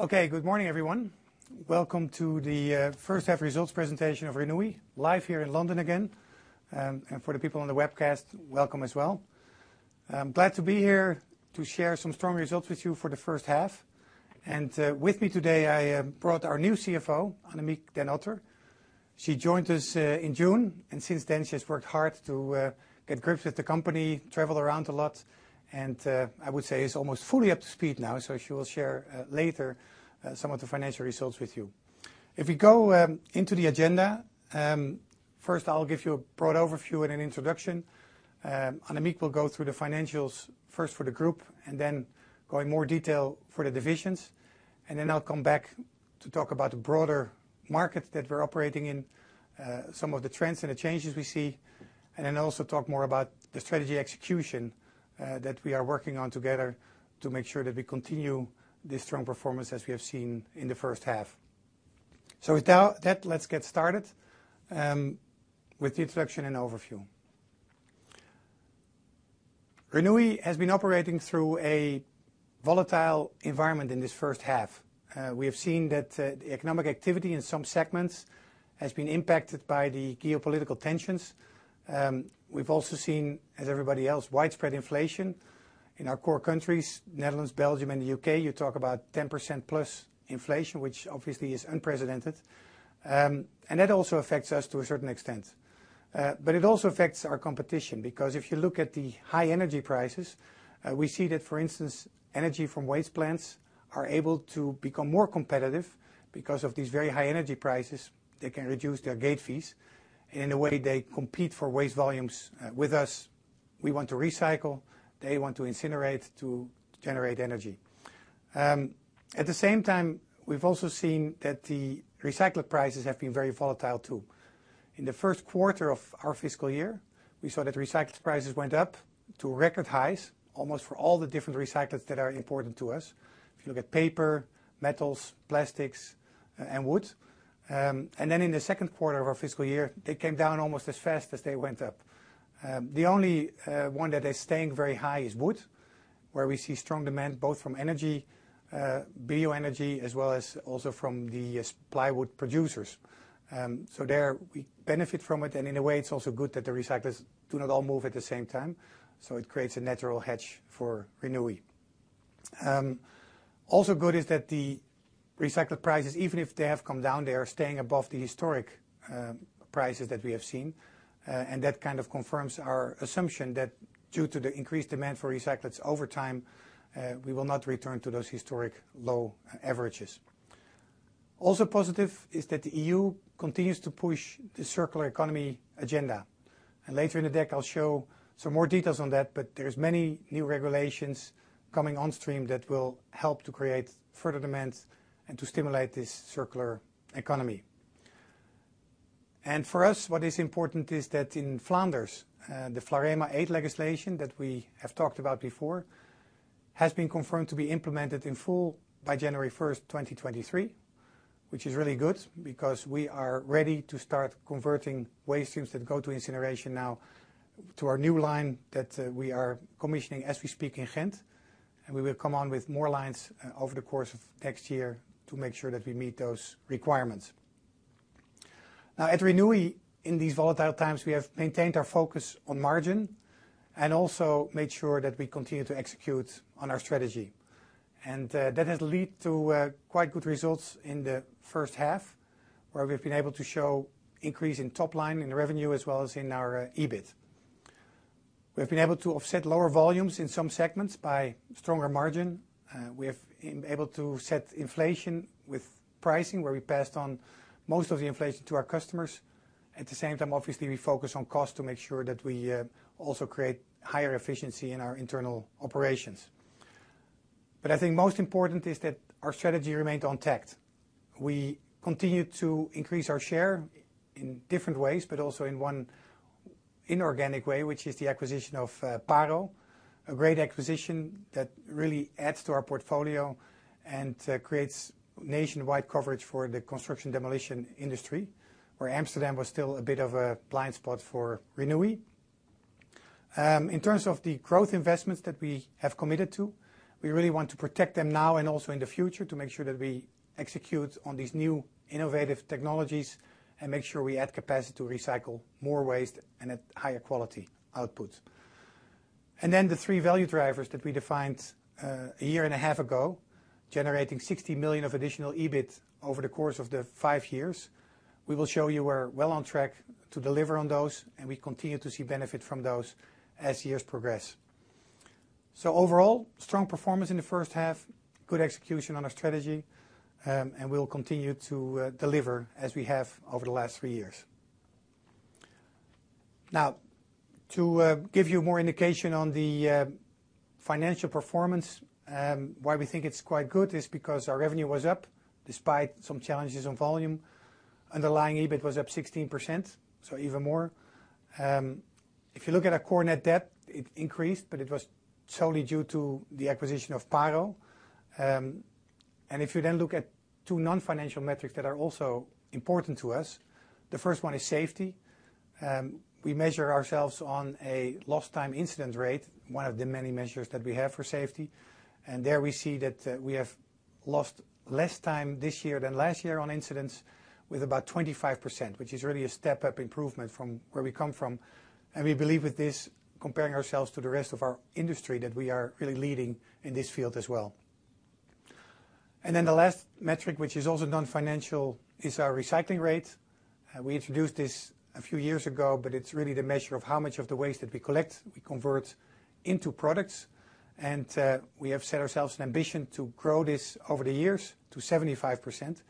Okay. Good morning, everyone. Welcome to the first half results presentation of Renewi, live here in London again. For the people on the webcast, welcome as well. I'm glad to be here to share some strong results with you for the first half. With me today, I brought our new CFO, Annemieke den Otter. She joined us in June, and since then she has worked hard to get to grips with the company, travel around a lot, and I would say is almost fully up to speed now. She will share later some of the financial results with you. If we go into the agenda, first I'll give you a broad overview and an introduction. Annemieke will go through the financials first for the group and then go in more detail for the divisions. I'll come back to talk about the broader markets that we're operating in, some of the trends and the changes we see, and then also talk more about the strategy execution, that we are working on together to make sure that we continue the strong performance as we have seen in the first half. With that, let's get started with the introduction and overview. Renewi has been operating through a volatile environment in this first half. We have seen that economic activity in some segments has been impacted by the geopolitical tensions. We've also seen, as everybody else, widespread inflation in our core countries, Netherlands, Belgium, and the UK. You talk about 10%+ inflation, which obviously is unprecedented. That also affects us to a certain extent. It also affects our competition, because if you look at the high energy prices, we see that, for instance, energy from waste plants are able to become more competitive. Because of these very high energy prices, they can reduce their gate fees, and in a way, they compete for waste volumes with us. We want to recycle, they want to incinerate to generate energy. At the same time, we've also seen that the recyclate prices have been very volatile, too. In the first quarter of our fiscal year, we saw that recyclate prices went up to record highs almost for all the different recyclates that are important to us, if you look at paper, metals, plastics and wood. Then in the second quarter of our fiscal year, they came down almost as fast as they went up. The only one that is staying very high is wood, where we see strong demand both from energy, bioenergy as well as also from the plywood producers. There we benefit from it. In a way, it's also good that the recyclers do not all move at the same time, so it creates a natural hedge for Renewi. Also good is that the recycled prices, even if they have come down, they are staying above the historic prices that we have seen. That kind of confirms our assumption that due to the increased demand for recyclates over time, we will not return to those historic low averages. Also positive is that the EU continues to push the circular economy agenda. Later in the deck I'll show some more details on that, but there's many new regulations coming on stream that will help to create further demand and to stimulate this circular economy. For us, what is important is that in Flanders, the VLAREM VIII legislation that we have talked about before has been confirmed to be implemented in full by January 1, 2023, which is really good because we are ready to start converting waste streams that go to incineration now to our new line that we are commissioning as we speak in Ghent. We will come on with more lines over the course of next year to make sure that we meet those requirements. Now, at Renewi, in these volatile times, we have maintained our focus on margin and also made sure that we continue to execute on our strategy. That has led to quite good results in the first half, where we've been able to show increase in top line, in revenue as well as in our EBIT. We've been able to offset lower volumes in some segments by stronger margin. We have been able to offset inflation with pricing, where we passed on most of the inflation to our customers. At the same time, obviously, we focus on cost to make sure that we also create higher efficiency in our internal operations. I think most important is that our strategy remained intact. We continued to increase our share in different ways, but also in one inorganic way, which is the acquisition of PARO, a great acquisition that really adds to our portfolio and creates nationwide coverage for the construction demolition industry, where Amsterdam was still a bit of a blind spot for Renewi. In terms of the growth investments that we have committed to, we really want to protect them now and also in the future to make sure that we execute on these new innovative technologies and make sure we add capacity to recycle more waste and at higher quality outputs. The three value drivers that we defined a year and a half ago, generating 60 million of additional EBIT over the course of the five years. We will show you we're well on track to deliver on those, and we continue to see benefit from those as years progress. Overall, strong performance in the first half, good execution on our strategy, and we will continue to deliver as we have over the last three years. Now, to give you more indication on the financial performance, why we think it's quite good is because our revenue was up despite some challenges on volume. Underlying EBIT was up 16%, so even more. If you look at our core net debt, it increased, but it was solely due to the acquisition of PARO. If you then look at two non-financial metrics that are also important to us, the first one is safety. We measure ourselves on a lost time incident rate, one of the many measures that we have for safety. There we see that we have lost less time this year than last year on incidents with about 25%, which is really a step up improvement from where we come from. We believe with this, comparing ourselves to the rest of our industry, that we are really leading in this field as well. Then the last metric, which is also non-financial, is our recycling rate. We introduced this a few years ago, but it's really the measure of how much of the waste that we collect we convert into products. We have set ourselves an ambition to grow this over the years to 75%.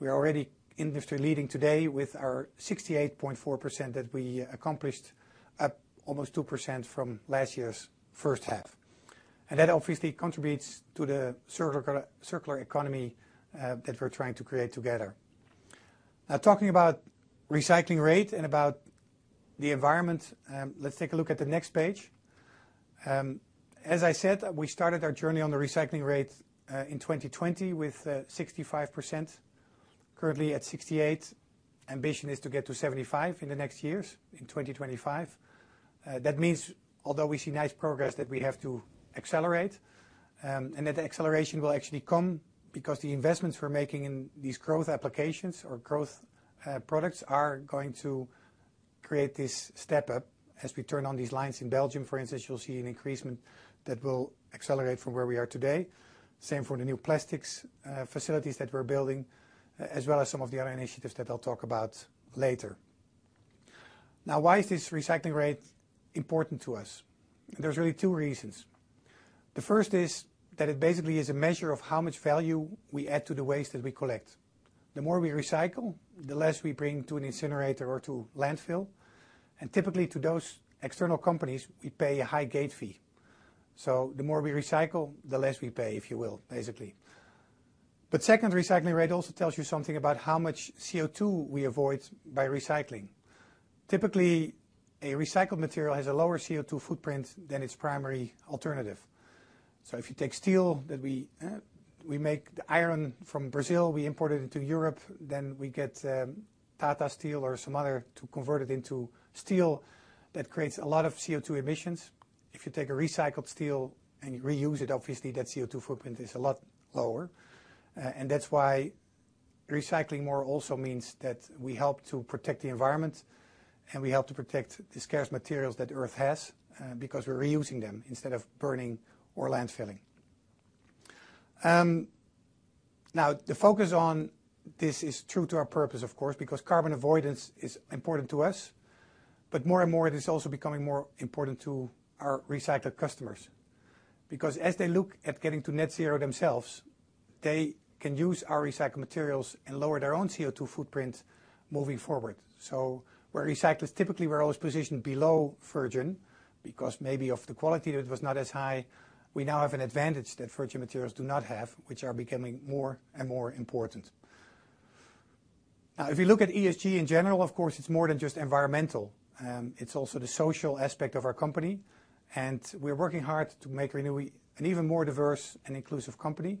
We are already industry leading today with our 68.4% that we accomplished, up almost 2% from last year's first half. That obviously contributes to the circular economy that we're trying to create together. Now talking about recycling rate and about the environment, let's take a look at the next page. As I said, we started our journey on the recycling rate in 2020 with 65%. Currently at 68%. Ambition is to get to 75% in the next years, in 2025. That means, although we see nice progress, that we have to accelerate, and that acceleration will actually come because the investments we're making in these growth applications or growth products are going to create this step up. As we turn on these lines in Belgium, for instance, you'll see an increase that will accelerate from where we are today. Same for the new plastics facilities that we're building, as well as some of the other initiatives that I'll talk about later. Now why is this recycling rate important to us? There's really two reasons. The first is that it basically is a measure of how much value we add to the waste that we collect. The more we recycle, the less we bring to an incinerator or to landfill. Typically to those external companies, we pay a high gate fee. The more we recycle, the less we pay, if you will, basically. Second, recycling rate also tells you something about how much CO2 we avoid by recycling. Typically, a recycled material has a lower CO2 footprint than its primary alternative. If you take steel that we make the iron from Brazil, we import it into Europe, then we get Tata Steel or some other to convert it into steel, that creates a lot of CO2 emissions. If you take a recycled steel and you reuse it, obviously that CO2 footprint is a lot lower. That's why recycling more also means that we help to protect the environment and we help to protect the scarce materials that Earth has, because we're reusing them instead of burning or landfilling. Now the focus on this is true to our purpose, of course, because carbon avoidance is important to us. More and more it is also becoming more important to our recycled customers. Because as they look at getting to net zero themselves, they can use our recycled materials and lower their own CO2 footprint moving forward. Where recyclers typically were always positioned below virgin because maybe of the quality that was not as high, we now have an advantage that virgin materials do not have, which are becoming more and more important. If you look at ESG in general, of course, it's more than just environmental, it's also the social aspect of our company. We're working hard to make Renewi an even more diverse and inclusive company.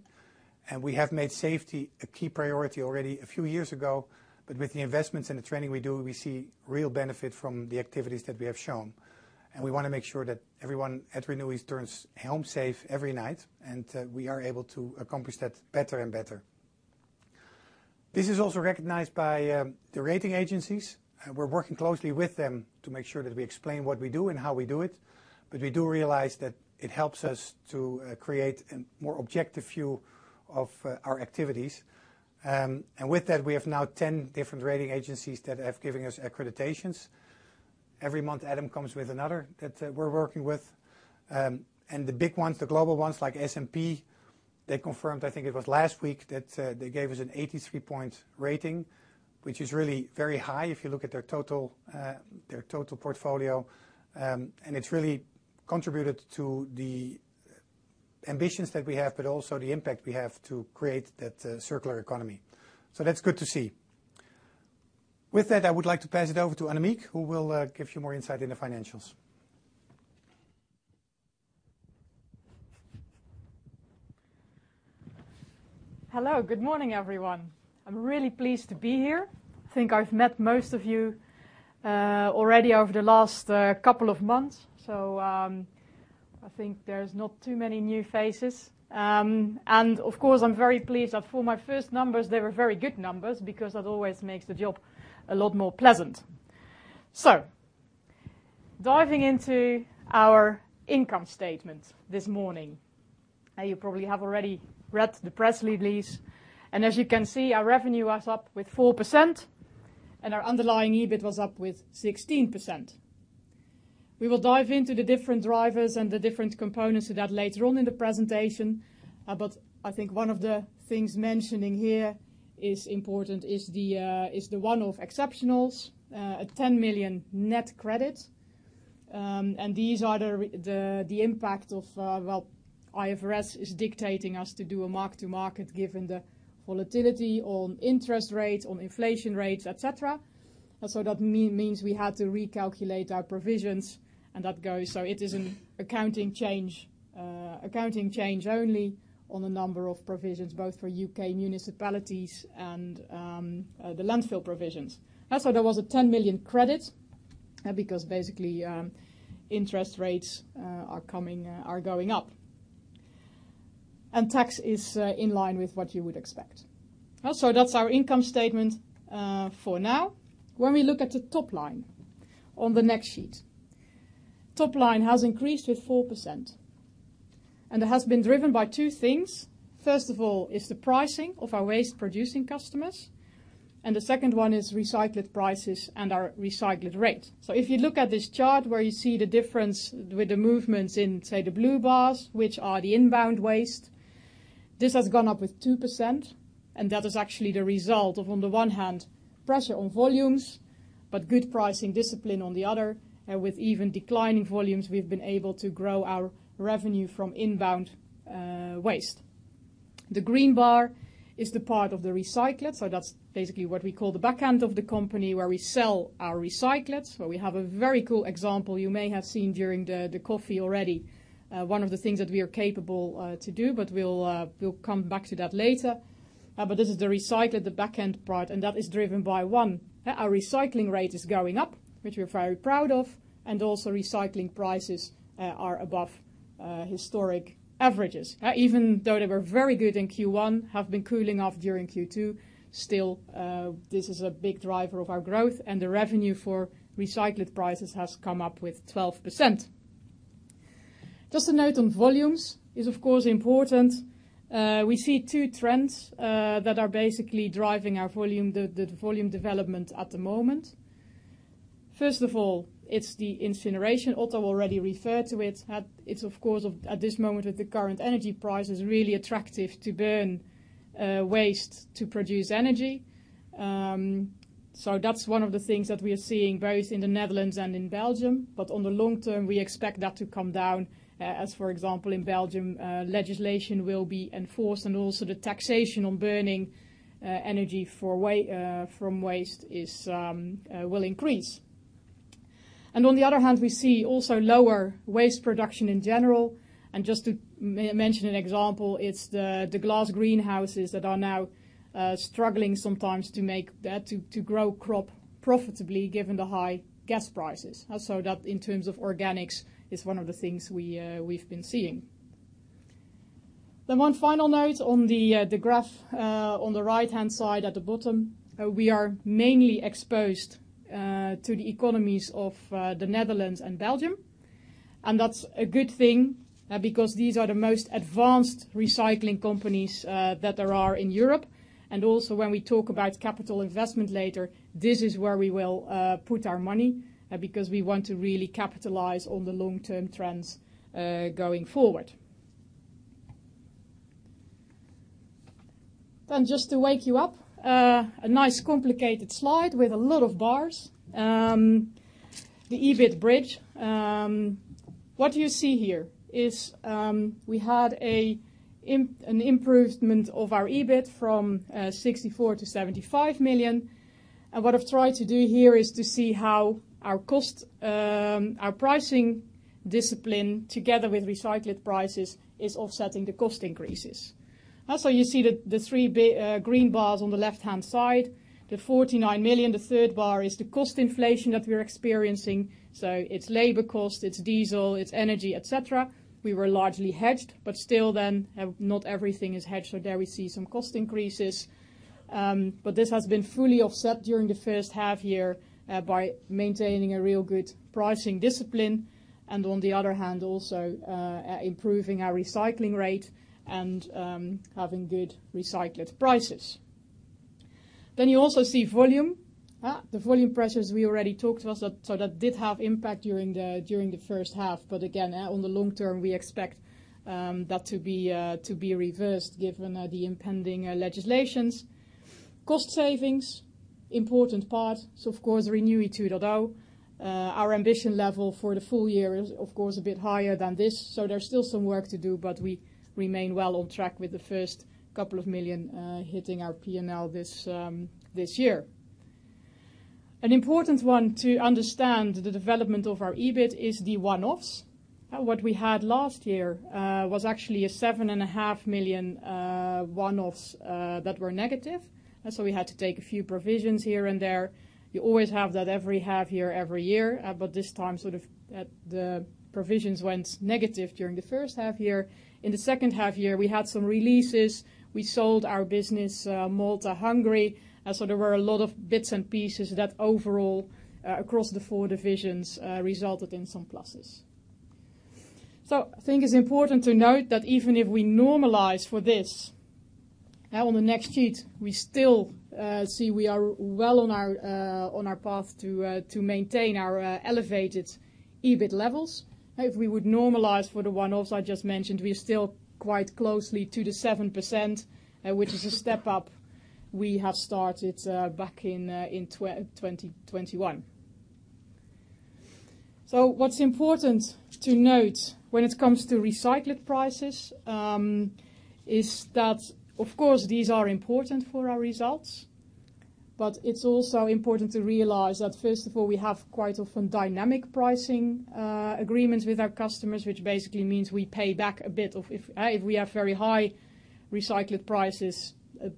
We have made safety a key priority already a few years ago, but with the investments and the training we do, we see real benefit from the activities that we have shown. We want to make sure that everyone at Renewi returns home safe every night, and we are able to accomplish that better and better. This is also recognized by the rating agencies. We're working closely with them to make sure that we explain what we do and how we do it, but we do realize that it helps us to create a more objective view of our activities. With that, we have now 10 different rating agencies that have given us accreditations. Every month Adam comes with another that we're working with. The big ones, the global ones like S&P, they confirmed, I think it was last week, that they gave us an 83-point rating, which is really very high if you look at their total, their total portfolio. It's really contributed to the ambitions that we have, but also the impact we have to create that circular economy. That's good to see. With that, I would like to pass it over to Annemieke, who will give you more insight in the financials. Hello, good morning, everyone. I'm really pleased to be here. I think I've met most of you already over the last couple of months, so I think there's not too many new faces. Of course, I'm very pleased that for my first numbers, they were very good numbers because that always makes the job a lot more pleasant. Diving into our income statement this morning. You probably have already read the press release, and as you can see, our revenue was up by 4% and our underlying EBIT was up by 16%. We will dive into the different drivers and the different components of that later on in the presentation. I think one of the things mentioning here is important is the one-off exceptionals, a 10 million net credit. These are the impact of well, IFRS is dictating us to do a mark to market given the volatility on interest rates, on inflation rates, et cetera. That means we had to recalculate our provisions and that goes. It is an accounting change only on the number of provisions, both for U.K. municipalities and the landfill provisions. There was a 10 million credit. Because basically, interest rates are going up. Tax is in line with what you would expect. That's our income statement for now. When we look at the top line on the next sheet. Top line has increased with 4%, and it has been driven by two things. First of all, is the pricing of our waste-producing customers, and the second one is recyclate prices and our recyclate rate. If you look at this chart where you see the difference with the movements in, say, the blue bars, which are the inbound waste, this has gone up with 2%, and that is actually the result of, on the one hand, pressure on volumes, but good pricing discipline on the other. With even declining volumes, we've been able to grow our revenue from inbound waste. The green bar is the part of the recyclates, so that's basically what we call the back end of the company, where we sell our recyclates, where we have a very cool example you may have seen during the coffee already. One of the things that we are capable to do, but we'll come back to that later. This is the recyclate, the back-end part, and that is driven by one, our recycling rate is going up, which we're very proud of, and also recycling prices are above historic averages. Even though they were very good in Q1, have been cooling off during Q2, still, this is a big driver of our growth, and the revenue for recyclate prices has come up with 12%. Just a note on volumes is, of course, important. We see two trends that are basically driving our volume, the volume development at the moment. First of all, it's the incineration. Otto already referred to it. It's of course, at this moment with the current energy prices, really attractive to burn waste to produce energy. That's one of the things that we are seeing both in the Netherlands and in Belgium. On the long term, we expect that to come down. As for example, in Belgium, legislation will be enforced, and also the taxation on burning energy from waste will increase. On the other hand, we see also lower waste production in general. Just to mention an example, it's the glass greenhouses that are now struggling sometimes to grow crop profitably given the high gas prices. Also, that in terms of organics is one of the things we've been seeing. One final note on the graph on the right-hand side at the bottom. We are mainly exposed to the economies of the Netherlands and Belgium, and that's a good thing, because these are the most advanced recycling companies that there are in Europe. Also when we talk about capital investment later, this is where we will put our money, because we want to really capitalize on the long-term trends going forward. Just to wake you up, a nice complicated slide with a lot of bars, the EBIT bridge. What you see here is we had an improvement of our EBIT from 64 million to 75 million. What I've tried to do here is to see how our cost, our pricing discipline together with recyclate prices is offsetting the cost increases. You see the three green bars on the left-hand side. The 49 million, the third bar, is the cost inflation that we are experiencing. It's labor cost, it's diesel, it's energy, et cetera. We were largely hedged, but still then, not everything is hedged, so there we see some cost increases. This has been fully offset during the first half year by maintaining a real good pricing discipline and on the other hand, also, improving our recycling rate and having good recyclate prices. You also see volume. The volume prices we already talked about. That did have impact during the first half, but again, on the long term, we expect that to be reversed given the impending legislations. Cost savings, important part, of course, Renewi 2.0. Our ambition level for the full year is of course a bit higher than this, so there's still some work to do, but we remain well on track with the first couple of million hitting our P&L this year. An important one to understand the development of our EBIT is the one-offs. What we had last year was actually 7.5 million one-offs that were negative. We had to take a few provisions here and there. You always have that every half year, every year, but this time, sort of, the provisions went negative during the first half year. In the second half year, we had some releases. We sold our business Malta, Hungary. There were a lot of bits and pieces that overall, across the four divisions, resulted in some pluses. I think it's important to note that even if we normalize for this, on the next sheet, we still see we are well on our path to maintain our elevated EBIT levels. If we would normalize for the one-offs I just mentioned, we're still quite closely to the 7%, which is a step up we have started back in 2021. What's important to note when it comes to recyclate prices is that, of course, these are important for our results, but it's also important to realize that, first of all, we have quite often dynamic pricing agreements with our customers, which basically means we pay back a bit of if we have very high recycled prices,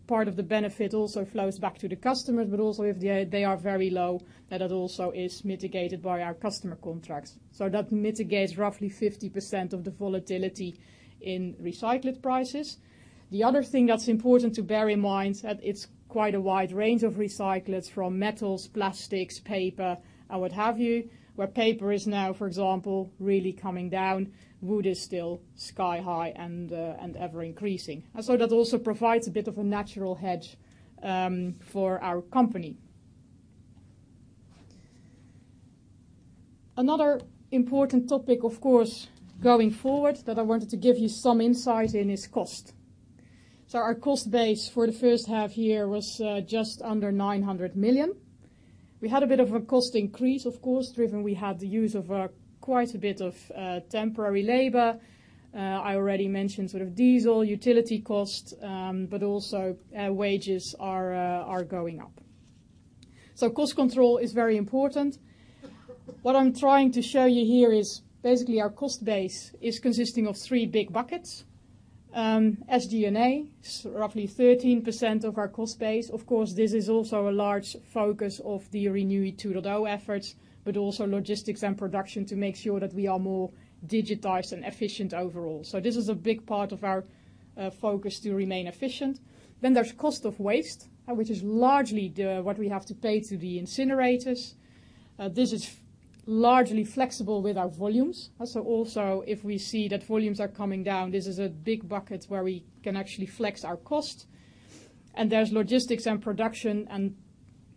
part of the benefit also flows back to the customers, but also if they are very low that it also is mitigated by our customer contracts. That mitigates roughly 50% of the volatility in recycled prices. The other thing that's important to bear in mind is that it's quite a wide range of recyclates from metals, plastics, paper and what have you. Paper is now, for example, really coming down, wood is still sky high and ever increasing. That also provides a bit of a natural hedge for our company. Another important topic, of course, going forward that I wanted to give you some insight in is cost. Our cost base for the first half year was just under 900 million. We had a bit of a cost increase, of course, driven by the use of quite a bit of temporary labor. I already mentioned sort of diesel, utility costs, but also wages are going up. Cost control is very important. What I'm trying to show you here is basically our cost base is consisting of three big buckets. SG&A is roughly 13% of our cost base. Of course, this is also a large focus of the Renewi 2.0 efforts, but also logistics and production to make sure that we are more digitized and efficient overall. This is a big part of our focus to remain efficient. There's cost of waste, which is largely the what we have to pay to the incinerators. This is largely flexible with our volumes. Also if we see that volumes are coming down, this is a big bucket where we can actually flex our cost. There's logistics and production and,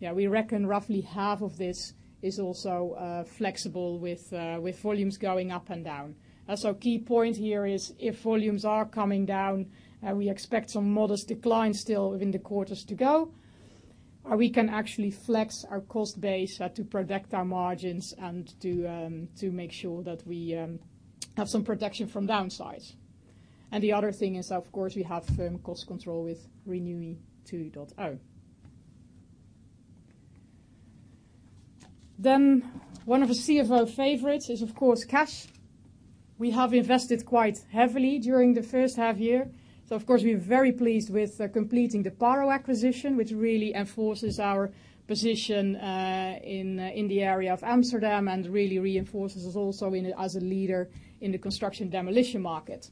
yeah, we reckon roughly half of this is also flexible with volumes going up and down. Key point here is if volumes are coming down, we expect some modest decline still within the quarters to go. We can actually flex our cost base to protect our margins and to make sure that we have some protection from downsides. The other thing is, of course, we have firm cost control with Renewi 2.0. One of the CFO favorites is of course cash. We have invested quite heavily during the first half year. Of course we're very pleased with completing the PARO acquisition, which really enforces our position in the area of Amsterdam and really reinforces us also in as a leader in the construction demolition market.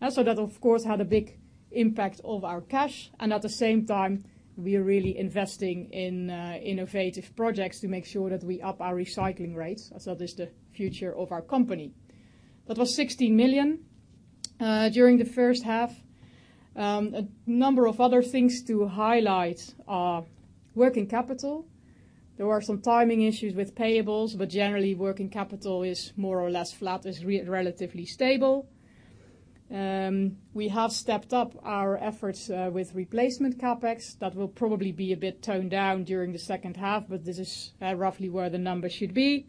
That of course had a big impact on our cash and at the same time we are really investing in innovative projects to make sure that we up our recycling rates. That is the future of our company. That was 16 million during the first half. A number of other things to highlight are working capital. There were some timing issues with payables, but generally working capital is more or less flat, is relatively stable. We have stepped up our efforts with replacement CapEx. That will probably be a bit toned down during the second half, but this is roughly where the numbers should be.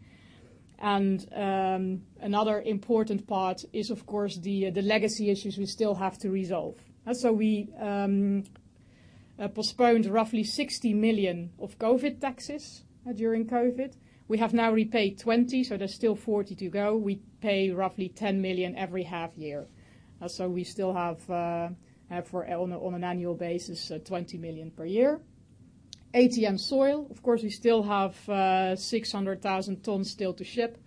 Another important part is of course the legacy issues we still have to resolve. We postponed roughly 60 million of COVID taxes during COVID. We have now repaid 20 million, so there's still 40 million to go. We pay roughly 10 million every half year. We still have on an annual basis 20 million per year. ATM soil, of course, we still have 600,000 tons still to ship.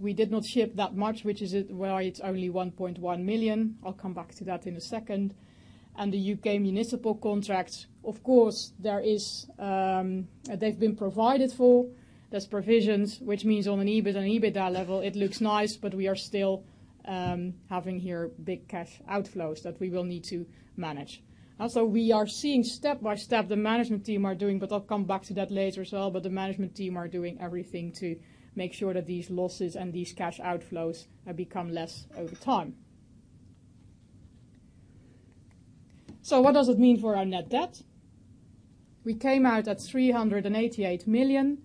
We did not ship that much, which is why it's only 1.1 million. I'll come back to that in a second. The UK municipal contracts, of course, there is, they've been provided for. There's provisions, which means on an EBIT and EBITDA level, it looks nice, but we are still having here big cash outflows that we will need to manage. Also, we are seeing step by step the management team are doing, but I'll come back to that later as well. The management team are doing everything to make sure that these losses and these cash outflows have become less over time. What does it mean for our net debt? We came out at 388 million.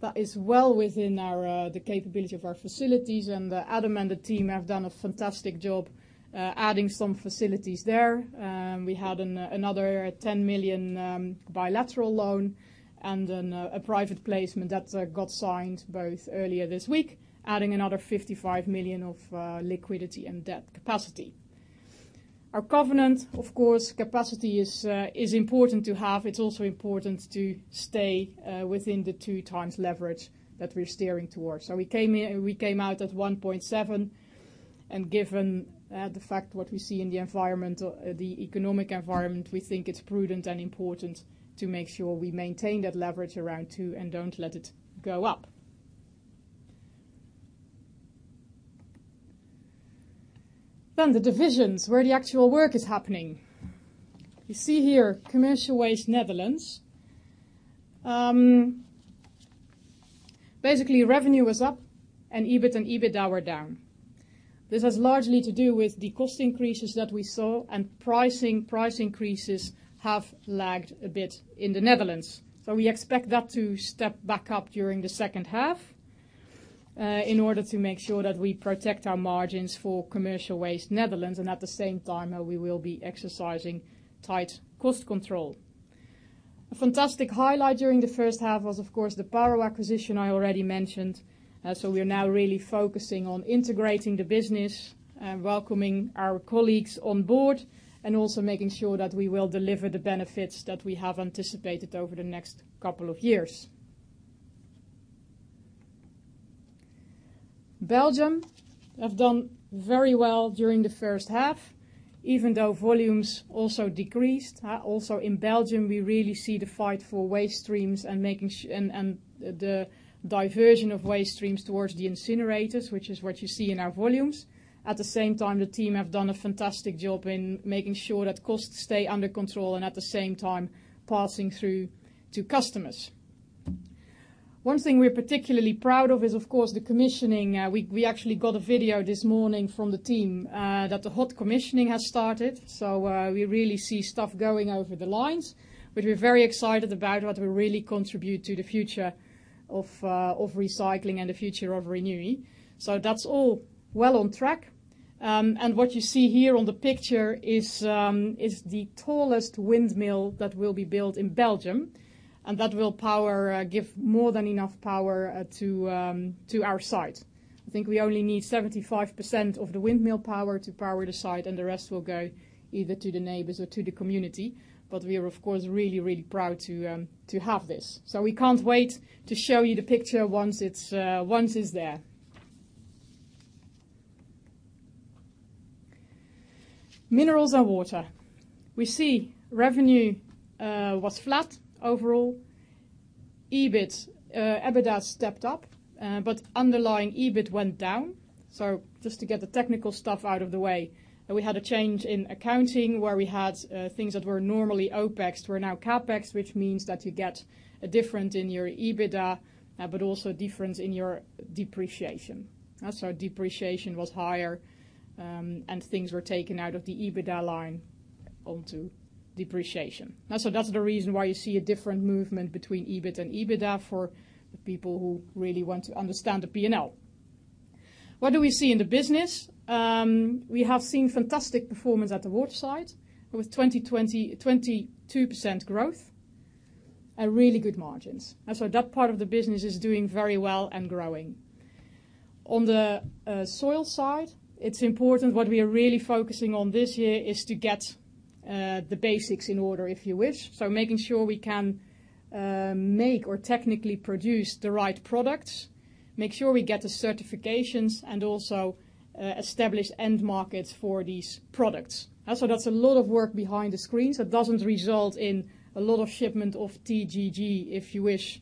That is well within our, the capability of our facilities, and Adam and the team have done a fantastic job, adding some facilities there. We had another 10 million bilateral loan and then a private placement that got signed both earlier this week, adding another 55 million of liquidity and debt capacity. Our covenant, of course, capacity is important to have. It's also important to stay within the 2x leverage that we're steering towards. We came here, we came out at 1.7, and given the fact what we see in the environment, the economic environment, we think it's prudent and important to make sure we maintain that leverage around 2 and don't let it go up. The divisions where the actual work is happening. You see here Commercial Waste Netherlands. Basically revenue was up and EBIT and EBITDA were down. This has largely to do with the cost increases that we saw and pricing. Price increases have lagged a bit in the Netherlands. We expect that to step back up during the second half, in order to make sure that we protect our margins for Commercial Waste Netherlands, and at the same time, we will be exercising tight cost control. A fantastic highlight during the first half was, of course, the PARO acquisition I already mentioned. We are now really focusing on integrating the business and welcoming our colleagues on board, and also making sure that we will deliver the benefits that we have anticipated over the next couple of years. Belgium have done very well during the first half, even though volumes also decreased. Also in Belgium, we really see the fight for waste streams and the diversion of waste streams towards the incinerators, which is what you see in our volumes. At the same time, the team have done a fantastic job in making sure that costs stay under control and at the same time passing through to customers. One thing we're particularly proud of is, of course, the commissioning. We actually got a video this morning from the team that the hot commissioning has started, so we really see stuff going over the lines. We're very excited about what will really contribute to the future of recycling and the future of Renewi. That's all well on track. What you see here on the picture is the tallest windmill that will be built in Belgium, and that will give more than enough power to our site. I think we only need 75% of the windmill power to power the site, and the rest will go either to the neighbors or to the community. We are, of course, really, really proud to have this. We can't wait to show you the picture once it's there. Mineralz & Water. We see revenue was flat overall. EBIT, EBITDA stepped up, but underlying EBIT went down. Just to get the technical stuff out of the way, we had a change in accounting where we had things that were normally OpEx were now CapEx, which means that you get a difference in your EBITDA, but also a difference in your depreciation. Depreciation was higher, and things were taken out of the EBITDA line onto depreciation. That's the reason why you see a different movement between EBIT and EBITDA for the people who really want to understand the P&L. What do we see in the business? We have seen fantastic performance at the water side with 20%-22% growth and really good margins. That part of the business is doing very well and growing. On the soil side, it's important. What we are really focusing on this year is to get the basics in order, if you wish. Making sure we can make or technically produce the right products, make sure we get the certifications, and also establish end markets for these products. That's a lot of work behind the screens. It doesn't result in a lot of shipment of TGG, if you wish,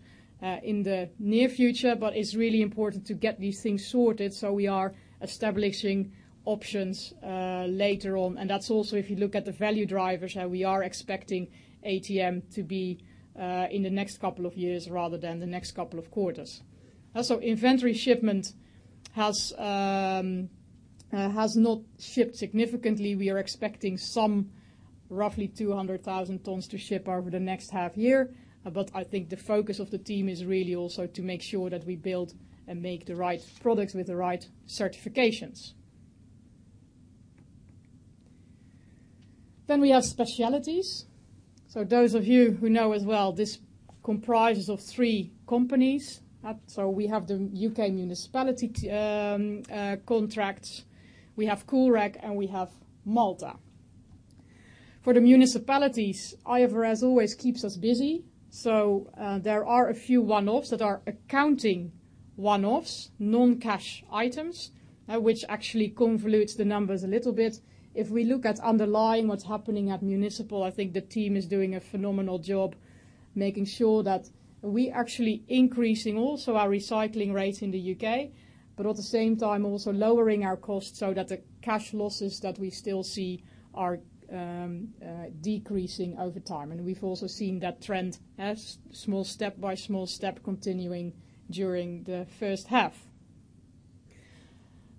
in the near future, but it's really important to get these things sorted, so we are establishing options later on. That's also, if you look at the value drivers, how we are expecting ATM to be in the next couple of years rather than the next couple of quarters. Inventory shipment has not shipped significantly. We are expecting some roughly 200,000 tons to ship over the next half year. I think the focus of the team is really also to make sure that we build and make the right products with the right certifications. We have specialties. Those of you who know as well, this comprises of three companies. We have the UK municipality contract, we have Coolrec, and we have Malta. For the municipalities, IFRS, as always, keeps us busy. There are a few one-offs that are accounting one-offs, non-cash items, which actually convolutes the numbers a little bit. If we look at underlying what's happening at municipal, I think the team is doing a phenomenal job making sure that we actually increasing also our recycling rates in the UK, but at the same time also lowering our costs so that the cash losses that we still see are decreasing over time. We've also seen that trend as small step by small step continuing during the first half.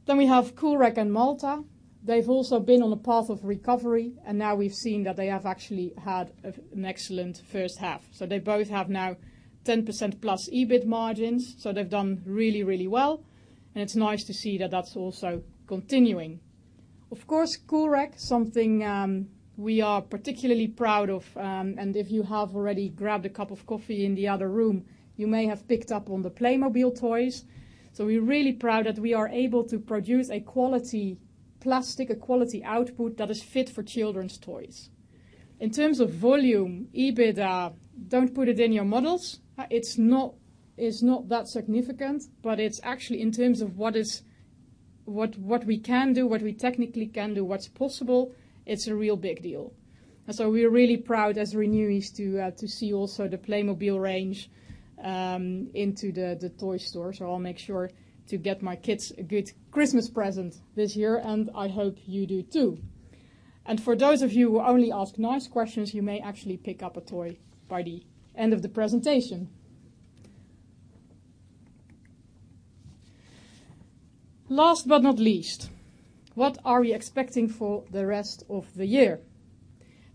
We have Coolrec and ATM. They've also been on a path of recovery, and now we've seen that they have actually had an excellent first half. They both have now 10%+ EBIT margins, so they've done really, really well, and it's nice to see that that's also continuing. Of course, Coolrec, something we are particularly proud of, and if you have already grabbed a cup of coffee in the other room, you may have picked up on the Playmobil toys. We're really proud that we are able to produce a quality plastic, a quality output that is fit for children's toys. In terms of volume, EBITDA, don't put it in your models. It's not that significant, but it's actually in terms of what we can do, what we technically can do, what's possible, it's a real big deal. We're really proud as Renewi's to see also the Playmobil range into the toy store. I'll make sure to get my kids a good Christmas present this year, and I hope you do too. For those of you who only ask nice questions, you may actually pick up a toy by the end of the presentation. Last but not least, what are we expecting for the rest of the year?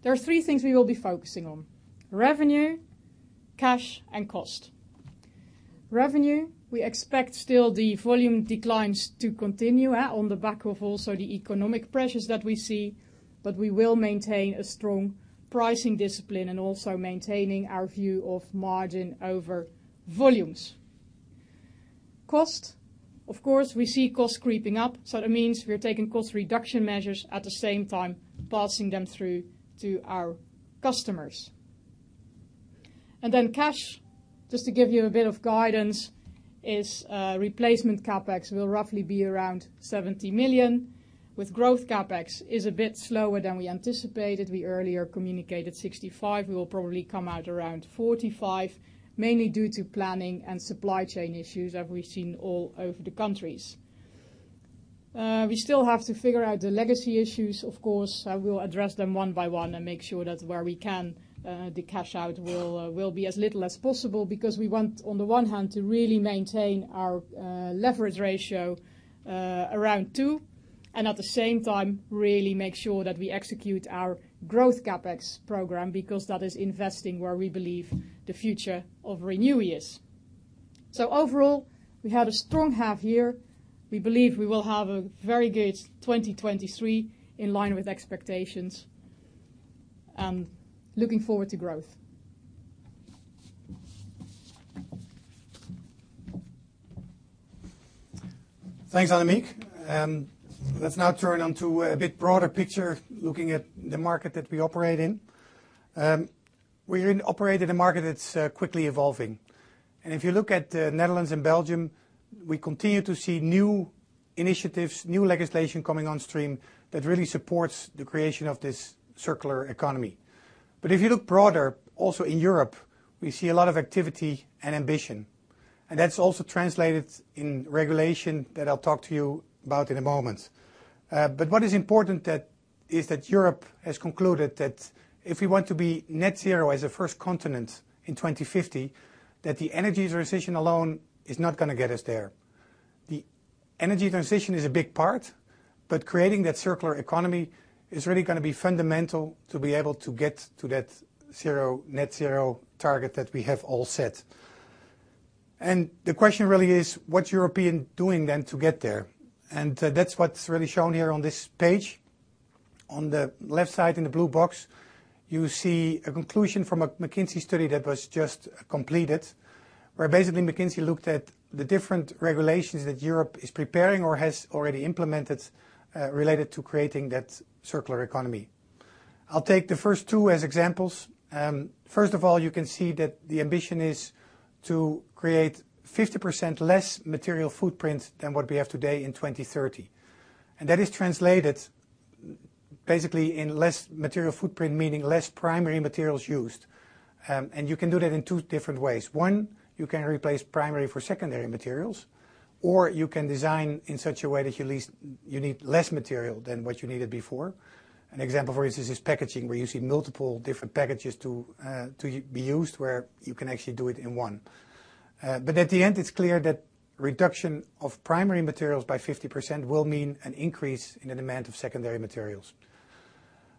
There are three things we will be focusing on, revenue, cash, and cost. Revenue, we expect still the volume declines to continue, on the back of also the economic pressures that we see, but we will maintain a strong pricing discipline and also maintaining our view of margin over volumes. Cost, of course, we see costs creeping up, so that means we're taking cost reduction measures at the same time passing them through to our customers. Then cash, just to give you a bit of guidance, is, replacement CapEx will roughly be around 70 million, with growth CapEx is a bit slower than we anticipated. We earlier communicated 65. We will probably come out around 45, mainly due to planning and supply chain issues that we've seen all over the countries. We still have to figure out the legacy issues, of course. I will address them one by one and make sure that where we can, the cash out will be as little as possible because we want, on the one hand, to really maintain our leverage ratio around 2 and at the same time really make sure that we execute our growth CapEx program because that is investing where we believe the future of Renewi is. Overall, we had a strong half year. We believe we will have a very good 2023 in line with expectations and looking forward to growth. Thanks, Annemieke. Let's now turn on to a bit broader picture looking at the market that we operate in. We operate in a market that's quickly evolving. If you look at Netherlands and Belgium, we continue to see new initiatives, new legislation coming on stream that really supports the creation of this circular economy. If you look broader, also in Europe, we see a lot of activity and ambition, and that's also translated in regulation that I'll talk to you about in a moment. What is important is that Europe has concluded that if we want to be net zero as a first continent in 2050, that the energy transition alone is not gonna get us there. The energy transition is a big part, but creating that circular economy is really gonna be fundamental to be able to get to that zero, net zero target that we have all set. The question really is, what's Europe doing then to get there? That's what's really shown here on this page. On the left side in the blue box, you see a conclusion from a McKinsey study that was just completed, where basically McKinsey looked at the different regulations that Europe is preparing or has already implemented, related to creating that circular economy. I'll take the first two as examples. First of all, you can see that the ambition is to create 50% less material footprint than what we have today in 2030. That is translated basically in less material footprint, meaning less primary materials used. You can do that in two different ways. One, you can replace primary for secondary materials, or you can design in such a way that you need less material than what you needed before. An example, for instance, is packaging, where you see multiple different packages to be used, where you can actually do it in one. At the end, it's clear that reduction of primary materials by 50% will mean an increase in the demand of secondary materials.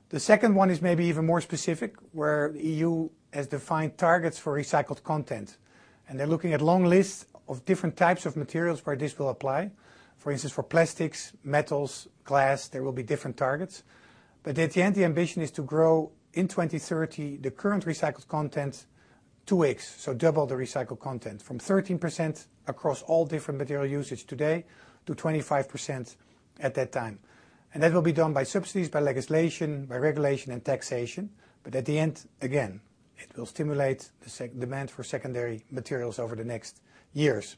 The second one is maybe even more specific, where EU has defined targets for recycled content, and they're looking at long lists of different types of materials where this will apply. For instance, for plastics, metals, glass, there will be different targets. At the end, the ambition is to grow in 2030 the current recycled content 2x, so double the recycled content from 13% across all different material usage today to 25% at that time. That will be done by subsidies, by legislation, by regulation and taxation. At the end, again, it will stimulate the demand for secondary materials over the next years.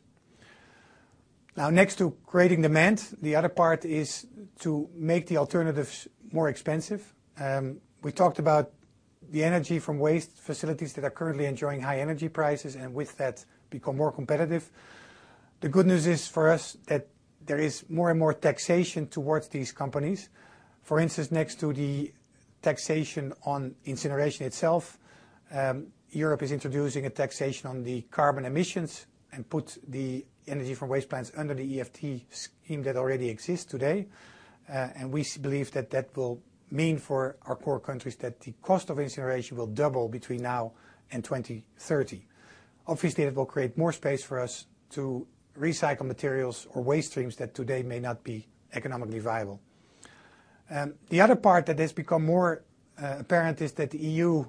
Now next to creating demand, the other part is to make the alternatives more expensive. We talked about the energy from waste facilities that are currently enjoying high energy prices and with that become more competitive. The good news is for us that there is more and more taxation towards these companies. For instance, next to the taxation on incineration itself, Europe is introducing a taxation on the carbon emissions and put the energy from waste plants under the ETS scheme that already exists today. We believe that will mean for our core countries that the cost of incineration will double between now and 2030. Obviously, that will create more space for us to recycle materials or waste streams that today may not be economically viable. The other part that has become more apparent is that the EU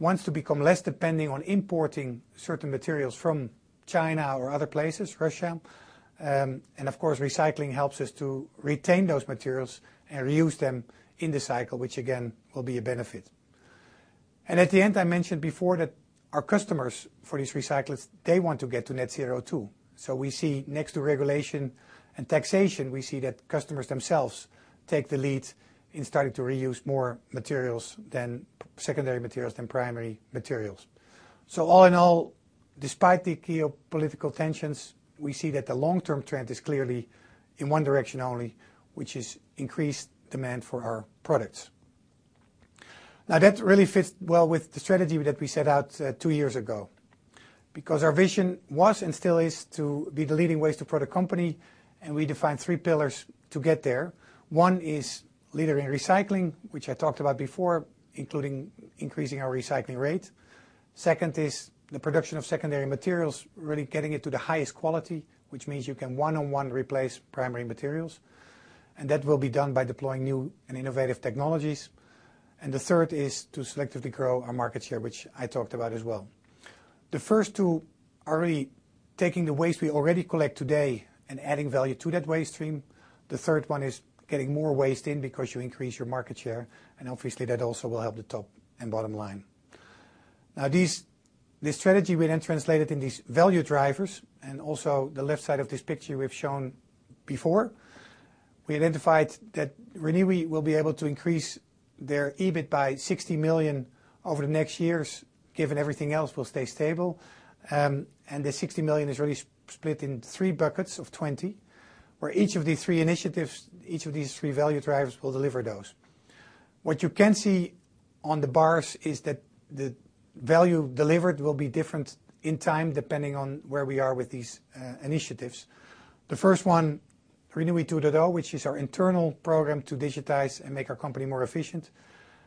wants to become less depending on importing certain materials from China or other places, Russia. Of course, recycling helps us to retain those materials and reuse them in the cycle, which again will be a benefit. At the end, I mentioned before that our customers for these recyclers, they want to get to net zero too. We see next to regulation and taxation, we see that customers themselves take the lead in starting to reuse more secondary materials than primary materials. All in all, despite the geopolitical tensions, we see that the long-term trend is clearly in one direction only, which is increased demand for our products. Now, that really fits well with the strategy that we set out, two years ago because our vision was and still is to be the leading waste-to-product company, and we define three pillars to get there. One is leader in recycling, which I talked about before, including increasing our recycling rate. Second is the production of secondary materials, really getting it to the highest quality, which means you can one-on-one replace primary materials. That will be done by deploying new and innovative technologies. The third is to selectively grow our market share, which I talked about as well. The first two are really taking the waste we already collect today and adding value to that waste stream. The third one is getting more waste in because you increase your market share, and obviously, that also will help the top and bottom line. Now these, this strategy we then translated in these value drivers, and also the left side of this picture we've shown before. We identified that Renewi will be able to increase their EBIT by 60 million over the next years, given everything else will stay stable. The 60 million is really split in three buckets of 20, where each of these three initiatives, each of these three value drivers will deliver those. What you can see on the bars is that the value delivered will be different in time depending on where we are with these initiatives. The first one, Renewi 2.0, which is our internal program to digitize and make our company more efficient.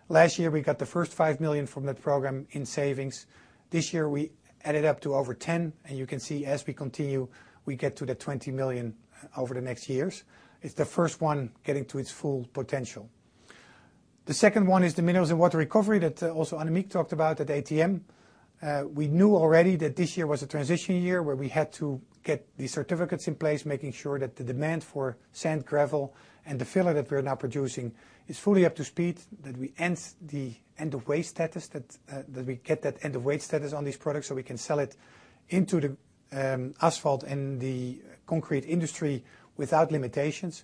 Last year, we got the first 5 million from that program in savings. This year, we added up to over 10 million, and you can see as we continue, we get to the 20 million over the next years. It's the first one getting to its full potential. The second one is the Mineralz & Water recovery that also Annemieke talked about at ATM. We knew already that this year was a transition year where we had to get these certificates in place, making sure that the demand for sand, gravel, and the filler that we're now producing is fully up to speed, that we get that end-of-waste status on these products, so we can sell it into the asphalt and the concrete industry without limitations.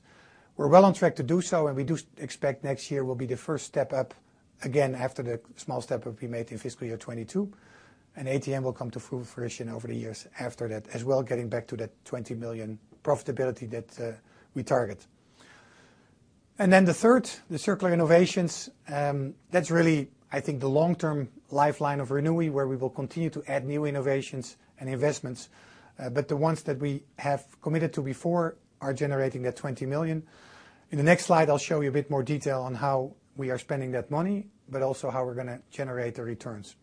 We're well on track to do so, and we do expect next year will be the first step up again after the small step that we made in fiscal year 2022. ATM will come to full fruition over the years after that, as well getting back to that 20 million profitability that we target. The third, the circular innovations, that's really, I think the long-term lifeline of Renewi, where we will continue to add new innovations and investments. But the ones that we have committed to before are generating that 20 million. In the next slide, I'll show you a bit more detail on how we are spending that money, but also how we're gonna generate the returns.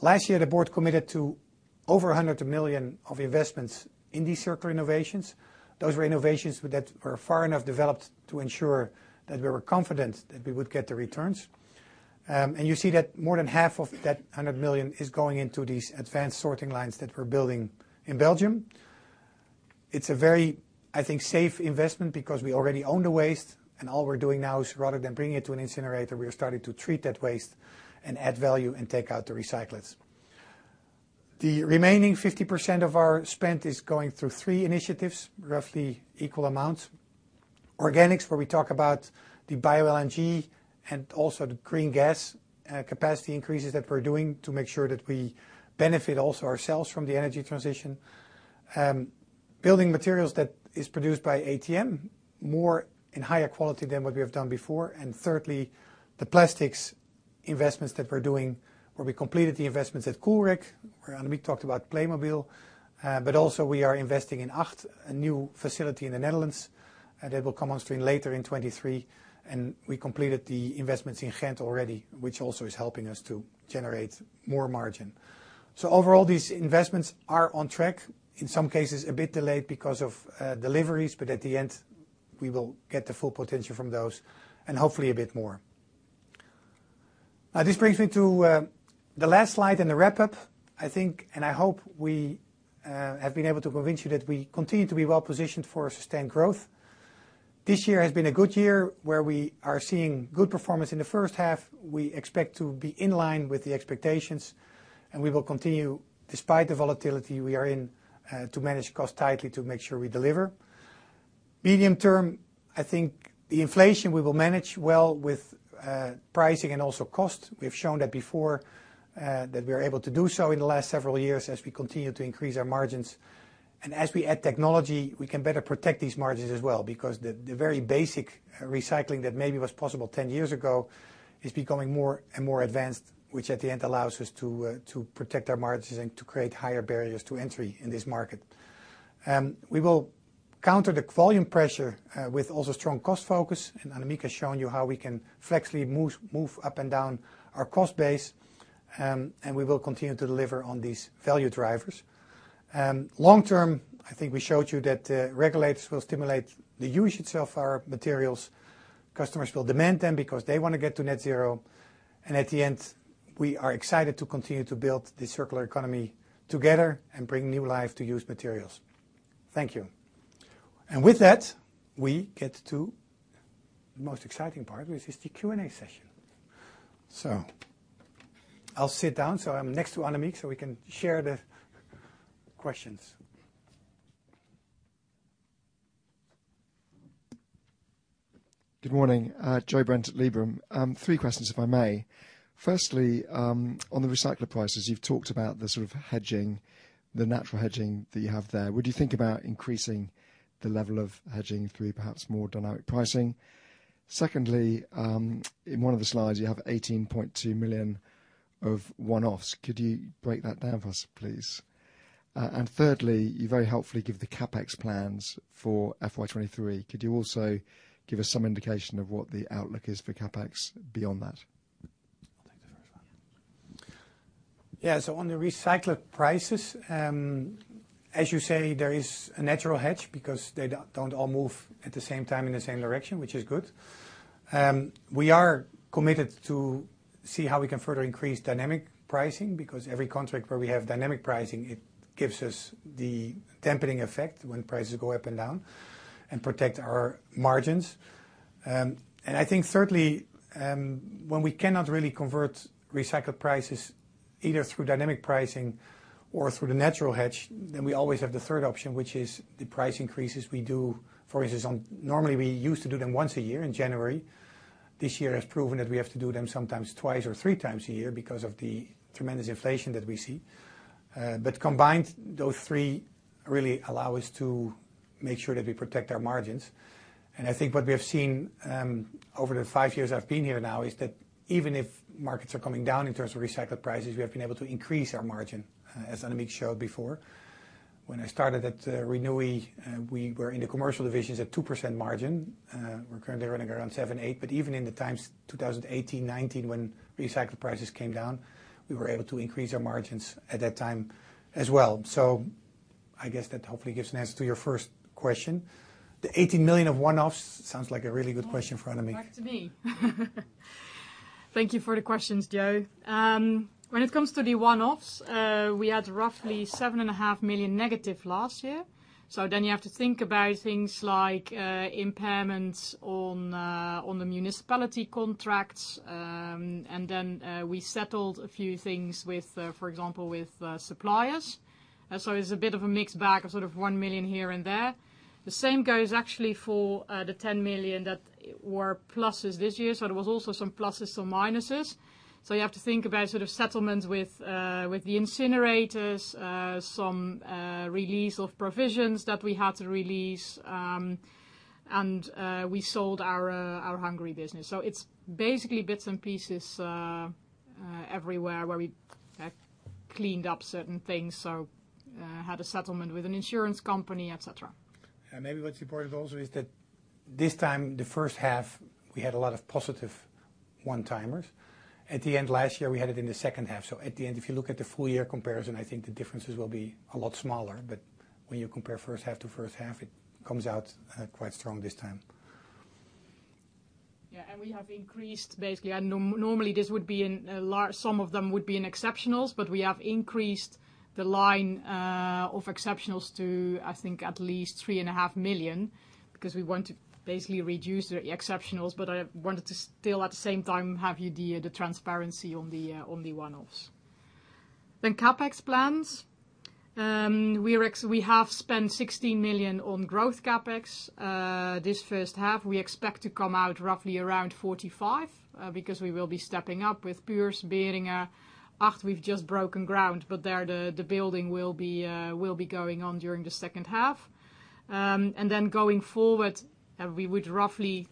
Last year, the board committed to over 100 million of investments in these circular innovations. Those were innovations that were far enough developed to ensure that we were confident that we would get the returns. You see that more than half of that 100 million is going into these advanced sorting lines that we're building in Belgium. It's a very, I think, safe investment because we already own the waste and all we're doing now is rather than bringing it to an incinerator, we are starting to treat that waste and add value and take out the recyclers. The remaining 50% of our spend is going through three initiatives, roughly equal amounts. Organics, where we talk about the bioLNG and also the green gas, capacity increases that we're doing to make sure that we benefit also ourselves from the energy transition. Building materials that is produced by ATM more in higher quality than what we have done before. Thirdly, the plastics investments that we're doing, where we completed the investments at Coolrec, where Annemieke talked about Playmobil, but also we are investing in Acht, a new facility in the Netherlands, and it will come on stream later in 2023. We completed the investments in Ghent already, which also is helping us to generate more margin. Overall, these investments are on track, in some cases a bit delayed because of deliveries, but at the end, we will get the full potential from those and hopefully a bit more. Now, this brings me to the last slide and the wrap-up. I think, and I hope we have been able to convince you that we continue to be well-positioned for sustained growth. This year has been a good year where we are seeing good performance in the first half. We expect to be in line with the expectations, and we will continue despite the volatility we are in to manage costs tightly to make sure we deliver. Medium term, I think the inflation we will manage well with pricing and also cost. We've shown that before, that we are able to do so in the last several years as we continue to increase our margins. As we add technology, we can better protect these margins as well, because the very basic recycling that maybe was possible ten years ago is becoming more and more advanced, which at the end allows us to protect our margins and to create higher barriers to entry in this market. We will counter the volume pressure with also strong cost focus, and Annemieke has shown you how we can flexibly move up and down our cost base, and we will continue to deliver on these value drivers. Long term, I think we showed you that regulators will stimulate the use itself, our materials. Customers will demand them because they wanna get to net zero. At the end, we are excited to continue to build this circular economy together and bring new life to used materials. Thank you. With that, we get to the most exciting part, which is the Q&A session. I'll sit down, so I'm next to Annemieke, so we can share the questions. Good morning. Joe Brent at Liberum. Three questions, if I may. Firstly, on the recycler prices, you've talked about the sort of hedging, the natural hedging that you have there. Would you think about increasing the level of hedging through perhaps more dynamic pricing? Secondly, in one of the slides, you have 18.2 million of one-offs. Could you break that down for us, please? Thirdly, you very helpfully give the CapEx plans for FY 2023. Could you also give us some indication of what the outlook is for CapEx beyond that? Yeah. On the recycled prices, as you say, there is a natural hedge because they don't all move at the same time in the same direction, which is good. We are committed to see how we can further increase dynamic pricing, because every contract where we have dynamic pricing, it gives us the dampening effect when prices go up and down and protect our margins. I think thirdly, when we cannot really convert recycled prices, either through dynamic pricing or through the natural hedge, then we always have the third option, which is the price increases we do. For instance, normally, we used to do them once a year in January. This year has proven that we have to do them sometimes twice or three times a year because of the tremendous inflation that we see. Combined, those three really allow us to make sure that we protect our margins. I think what we have seen over the 5 years I've been here now is that even if markets are coming down in terms of recycled prices, we have been able to increase our margin as Annemieke showed before. When I started at Renewi, we were in the commercial divisions at 2% margin. We're currently running around 7%-8%, but even in the times 2018-2019, when recycled prices came down, we were able to increase our margins at that time as well. I guess that hopefully gives an answer to your first question. The 18 million of one-offs sounds like a really good question in front of me. Back to me. Thank you for the questions, Joe. When it comes to the one-offs, we had roughly 7.5 million negative last year. You have to think about things like impairments on the municipality contracts. We settled a few things with, for example, suppliers. It's a bit of a mixed bag of, sort of, 1 million here and there. The same goes actually for the 10 million that were pluses this year. There was also some pluses, some minuses. You have to think about, sort of, settlements with the incinerators, some release of provisions that we had to release, and we sold our Hungary business. It's basically bits and pieces everywhere where we have cleaned up certain things, had a settlement with an insurance company, et cetera. Maybe what's important also is that this time, the first half, we had a lot of positive one-timers. At the end last year, we had it in the second half. At the end, if you look at the full year comparison, I think the differences will be a lot smaller. When you compare first half to first half, it comes out quite strong this time. We have increased basically. Normally, some of them would be in exceptionals, but we have increased the line of exceptionals to, I think, at least 3.5 million, because we want to basically reduce the exceptionals. I wanted to still, at the same time, give you the transparency on the one-offs. CapEx plans. We have spent 16 million on growth CapEx this first half. We expect to come out roughly around 45, because we will be stepping up with Puurs, Beringen. And, we've just broken ground, but there, the building will be going on during the second half. Going forward, we would roughly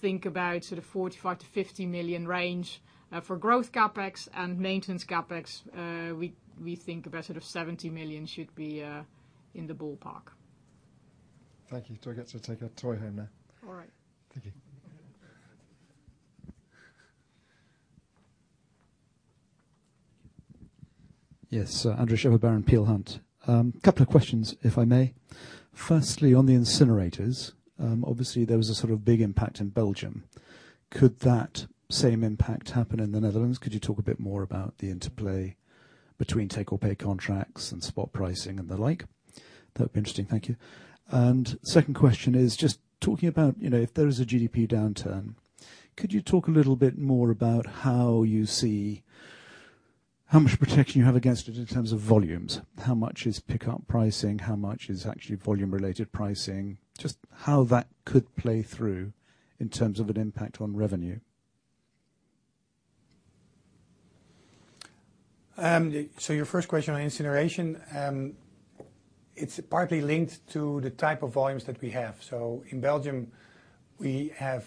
think about sort of 45-50 million range for growth CapEx and maintenance CapEx. We think about sort of 70 million should be in the ballpark. Thank you. Do I get to take a toy home now? All right. Thank you. Yes. Andrew Shepherd-Barron, Peel Hunt. A couple of questions, if I may. Firstly, on the incinerators, obviously, there was a sort of big impact in Belgium. Could that same impact happen in the Netherlands? Could you talk a bit more about the interplay between take-or-pay contracts and spot pricing and the like? That'd be interesting. Thank you. Second question is just talking about, you know, if there is a GDP downturn, could you talk a little bit more about how you see how much protection you have against it in terms of volumes? How much is pickup pricing? How much is actually volume-related pricing? Just how that could play through in terms of an impact on revenue. Your first question on incineration, it's partly linked to the type of volumes that we have. In Belgium, we have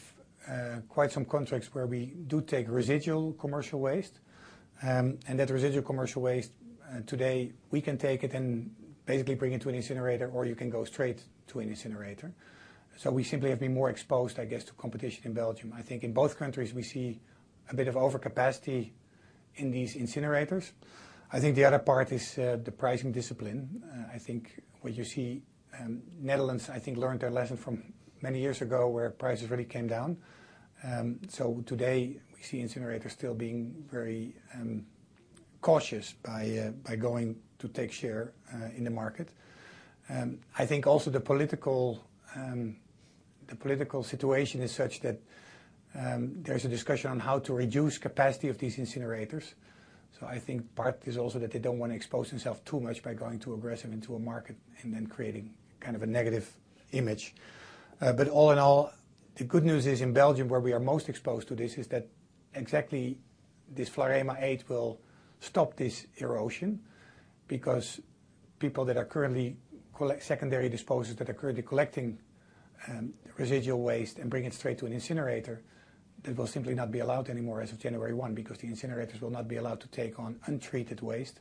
quite some contracts where we do take residual commercial waste. That residual commercial waste, today, we can take it and basically bring it to an incinerator, or you can go straight to an incinerator. We simply have been more exposed, I guess, to competition in Belgium. I think in both countries, we see a bit of overcapacity in these incinerators. I think the other part is the pricing discipline. I think what you see, in the Netherlands, I think, learned their lesson from many years ago where prices really came down. Today, we see incinerators still being very cautious by going to take share in the market. I think also the political situation is such that there's a discussion on how to reduce capacity of these incinerators. I think part is also that they don't wanna expose themselves too much by going too aggressive into a market and then creating kind of a negative image. All in all, the good news is in Belgium, where we are most exposed to this, is that exactly this VLAREM VIII will stop this erosion because people that are currently collecting secondary disposers that are currently collecting residual waste and bring it straight to an incinerator, that will simply not be allowed anymore as of January 1, because the incinerators will not be allowed to take on untreated waste.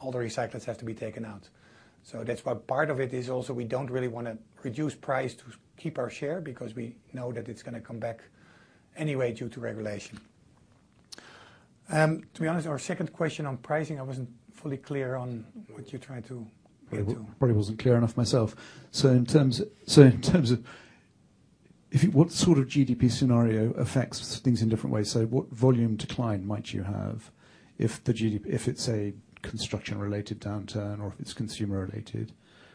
All the recyclables have to be taken out. That's why part of it is also we don't really wanna reduce price to keep our share, because we know that it's gonna come back anyway due to regulation. To be honest, our second question on pricing, I wasn't fully clear on what you're trying to get to. Yeah. Well, I probably wasn't clear enough myself. In terms of if what sort of GDP scenario affects things in different ways? What volume decline might you have if it's a construction related downturn or if it's consumer related?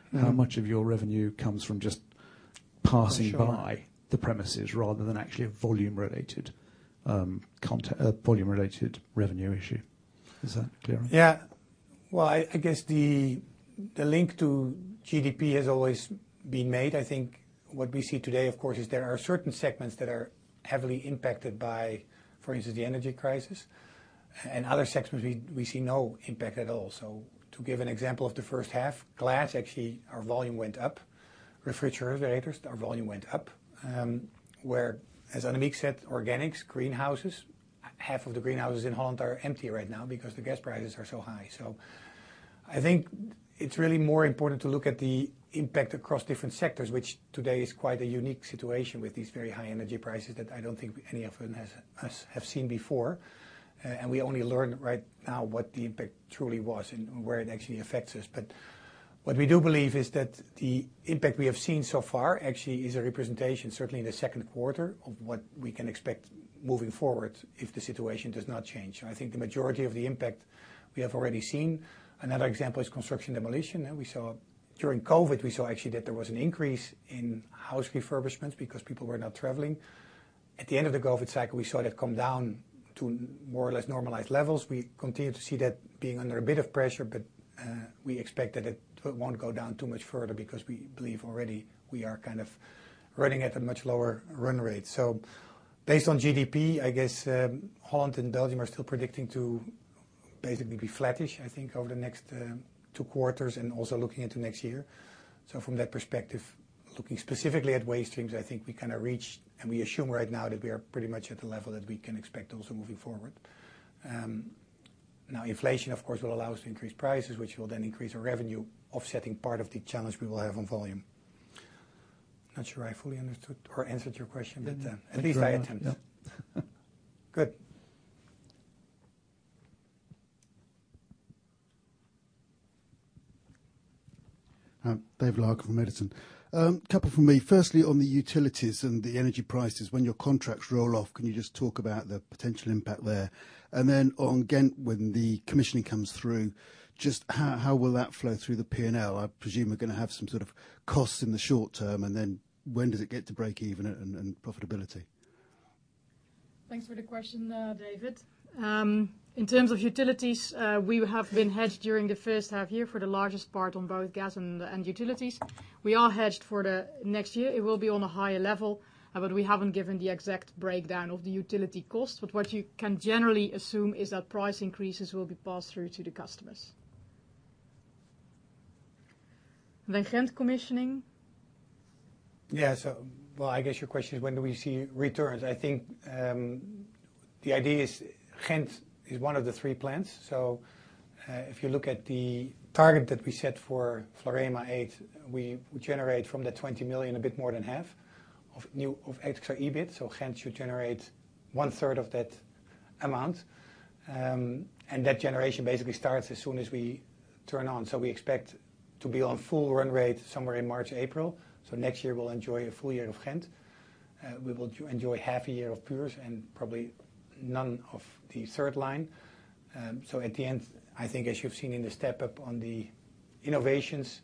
Mm-hmm. How much of your revenue comes from just passing by? Sure. The premises rather than actually a volume related revenue issue? Is that clearer? Yeah. Well, I guess the link to GDP has always been made. I think what we see today, of course, is there are certain segments that are heavily impacted by, for instance, the energy crisis. Other segments we see no impact at all. To give an example of the first half, glass, actually, our volume went up. Refrigerators, our volume went up. Where, as Anne-Mieke said, organics, greenhouses. Half of the greenhouses in Holland are empty right now because the gas prices are so high. I think it's really more important to look at the impact across different sectors, which today is quite a unique situation with these very high energy prices that I don't think any of us have seen before. We only learn right now what the impact truly was and where it actually affects us. What we do believe is that the impact we have seen so far actually is a representation, certainly in the second quarter, of what we can expect moving forward if the situation does not change. I think the majority of the impact we have already seen. Another example is construction demolition. We saw during COVID actually that there was an increase in house refurbishments because people were not traveling. At the end of the COVID cycle, we saw that come down to more or less normalized levels. We continue to see that being under a bit of pressure, but we expect that it won't go down too much further because we believe already we are kind of running at a much lower run rate. Based on GDP, I guess, Holland and Belgium are still predicting to basically be flattish, I think, over the next two quarters and also looking into next year. From that perspective, looking specifically at waste streams, I think we kinda reached. We assume right now that we are pretty much at the level that we can expect also moving forward. Now, inflation, of course, will allow us to increase prices, which will then increase our revenue, offsetting part of the challenge we will have on volume. Not sure I fully understood or answered your question, but. Did rather, no. At least I attempted. Good. David Larkam from Edison. Couple from me. Firstly, on the utilities and the energy prices. When your contracts roll off, can you just talk about the potential impact there? On Ghent, when the commissioning comes through, just how will that flow through the P&L? I presume we're gonna have some sort of costs in the short term. When does it get to break even and profitability? Thanks for the question, David. In terms of utilities, we have been hedged during the first half year for the largest part on both gas and utilities. We are hedged for the next year. It will be on a higher level, but we haven't given the exact breakdown of the utility cost. What you can generally assume is that price increases will be passed through to the customers. The Ghent commissioning? Yeah. Well, I guess your question is when do we see returns? I think the idea is Ghent is one of the three plants. If you look at the target that we set for VLAREM VIII, we generate from the 20 million a bit more than half of extra EBIT. Ghent should generate one-third of that amount. That generation basically starts as soon as we turn on. We expect to be on full run rate somewhere in March, April. Next year we'll enjoy a full year of Ghent. We will enjoy half a year of Puurs and probably none of the third line. At the end, I think as you've seen in the step up on the innovations,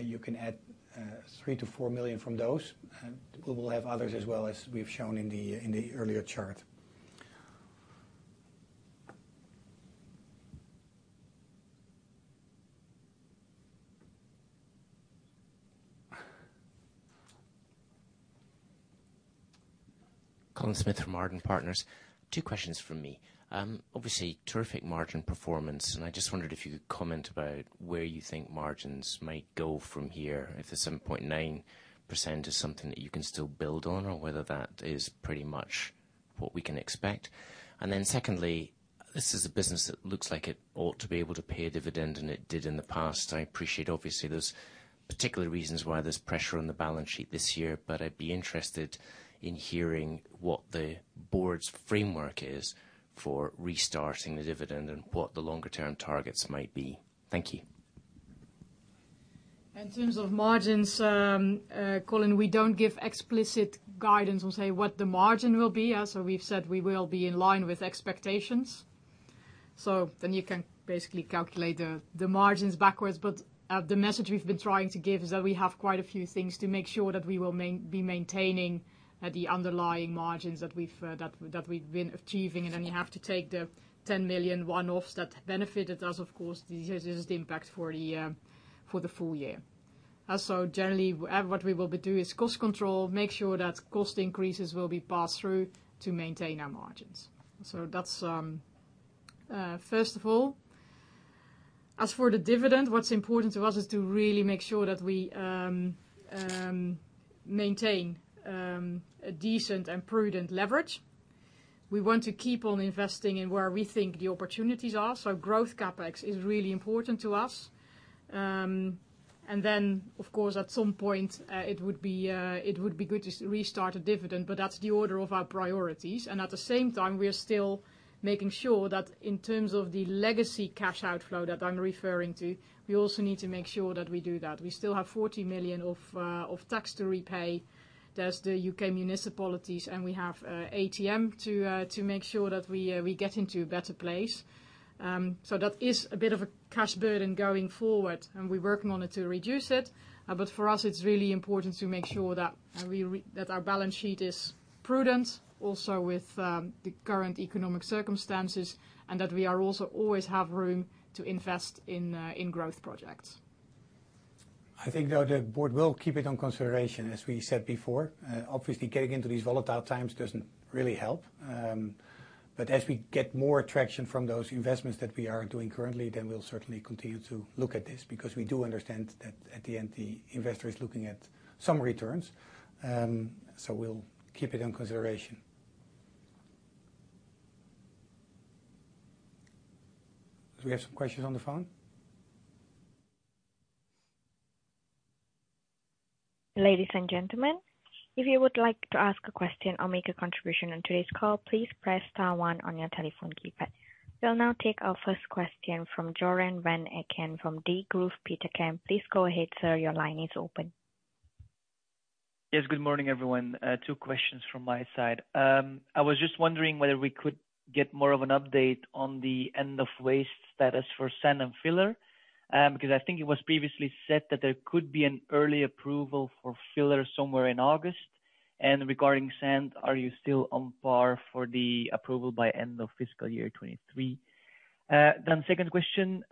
you can add 3-4 million from those. We will have others as well, as we've shown in the earlier chart. Colin Smith from Arden Partners. Two questions from me. Obviously, terrific margin performance, and I just wondered if you could comment about where you think margins might go from here. If the 7.9% is something that you can still build on, or whether that is pretty much what we can expect. Secondly, this is a business that looks like it ought to be able to pay a dividend, and it did in the past. I appreciate, obviously, there's particular reasons why there's pressure on the balance sheet this year, but I'd be interested in hearing what the board's framework is for restarting the dividend and what the longer term targets might be. Thank you. In terms of margins, Colin, we don't give explicit guidance on, say, what the margin will be. As we've said, we will be in line with expectations. You can basically calculate the margins backwards. The message we've been trying to give is that we have quite a few things to make sure that we will be maintaining the underlying margins that we've been achieving. You have to take the 10 million one-offs that benefited us, of course. This is the impact for the full year. Generally, what we will be doing is cost control, make sure that cost increases will be passed through to maintain our margins. That's first of all. As for the dividend, what's important to us is to really make sure that we maintain a decent and prudent leverage. We want to keep on investing in where we think the opportunities are. Growth CapEx is really important to us. Of course, at some point, it would be good to restart a dividend, but that's the order of our priorities. At the same time, we are still making sure that in terms of the legacy cash outflow that I'm referring to, we also need to make sure that we do that. We still have 40 million of tax to repay. There's the UK municipalities, and we have ATM to make sure that we get into a better place. that is a bit of a cash burden going forward, and we're working on it to reduce it. For us, it's really important to make sure that our balance sheet is prudent also with the current economic circumstances, and that we are also always have room to invest in in growth projects. I think, though, the board will keep it on consideration, as we said before. Obviously, getting into these volatile times doesn't really help. As we get more traction from those investments that we are doing currently, then we'll certainly continue to look at this because we do understand that at the end, the investor is looking at some returns. We'll keep it on consideration. Do we have some questions on the phone? Ladies and gentlemen, if you would like to ask a question or make a contribution on today's call, please press star one on your telephone keypad. We'll now take our first question from Joren Van Eck from Degroof Petercam. Please go ahead, sir. Your line is open. Yes. Good morning, everyone. Two questions from my side. I was just wondering whether we could get more of an update on the end-of-waste status for sand and filler. Because I think it was previously said that there could be an early approval for filler somewhere in August. Regarding sand, are you still on par for the approval by end of fiscal year 2023? Then second question,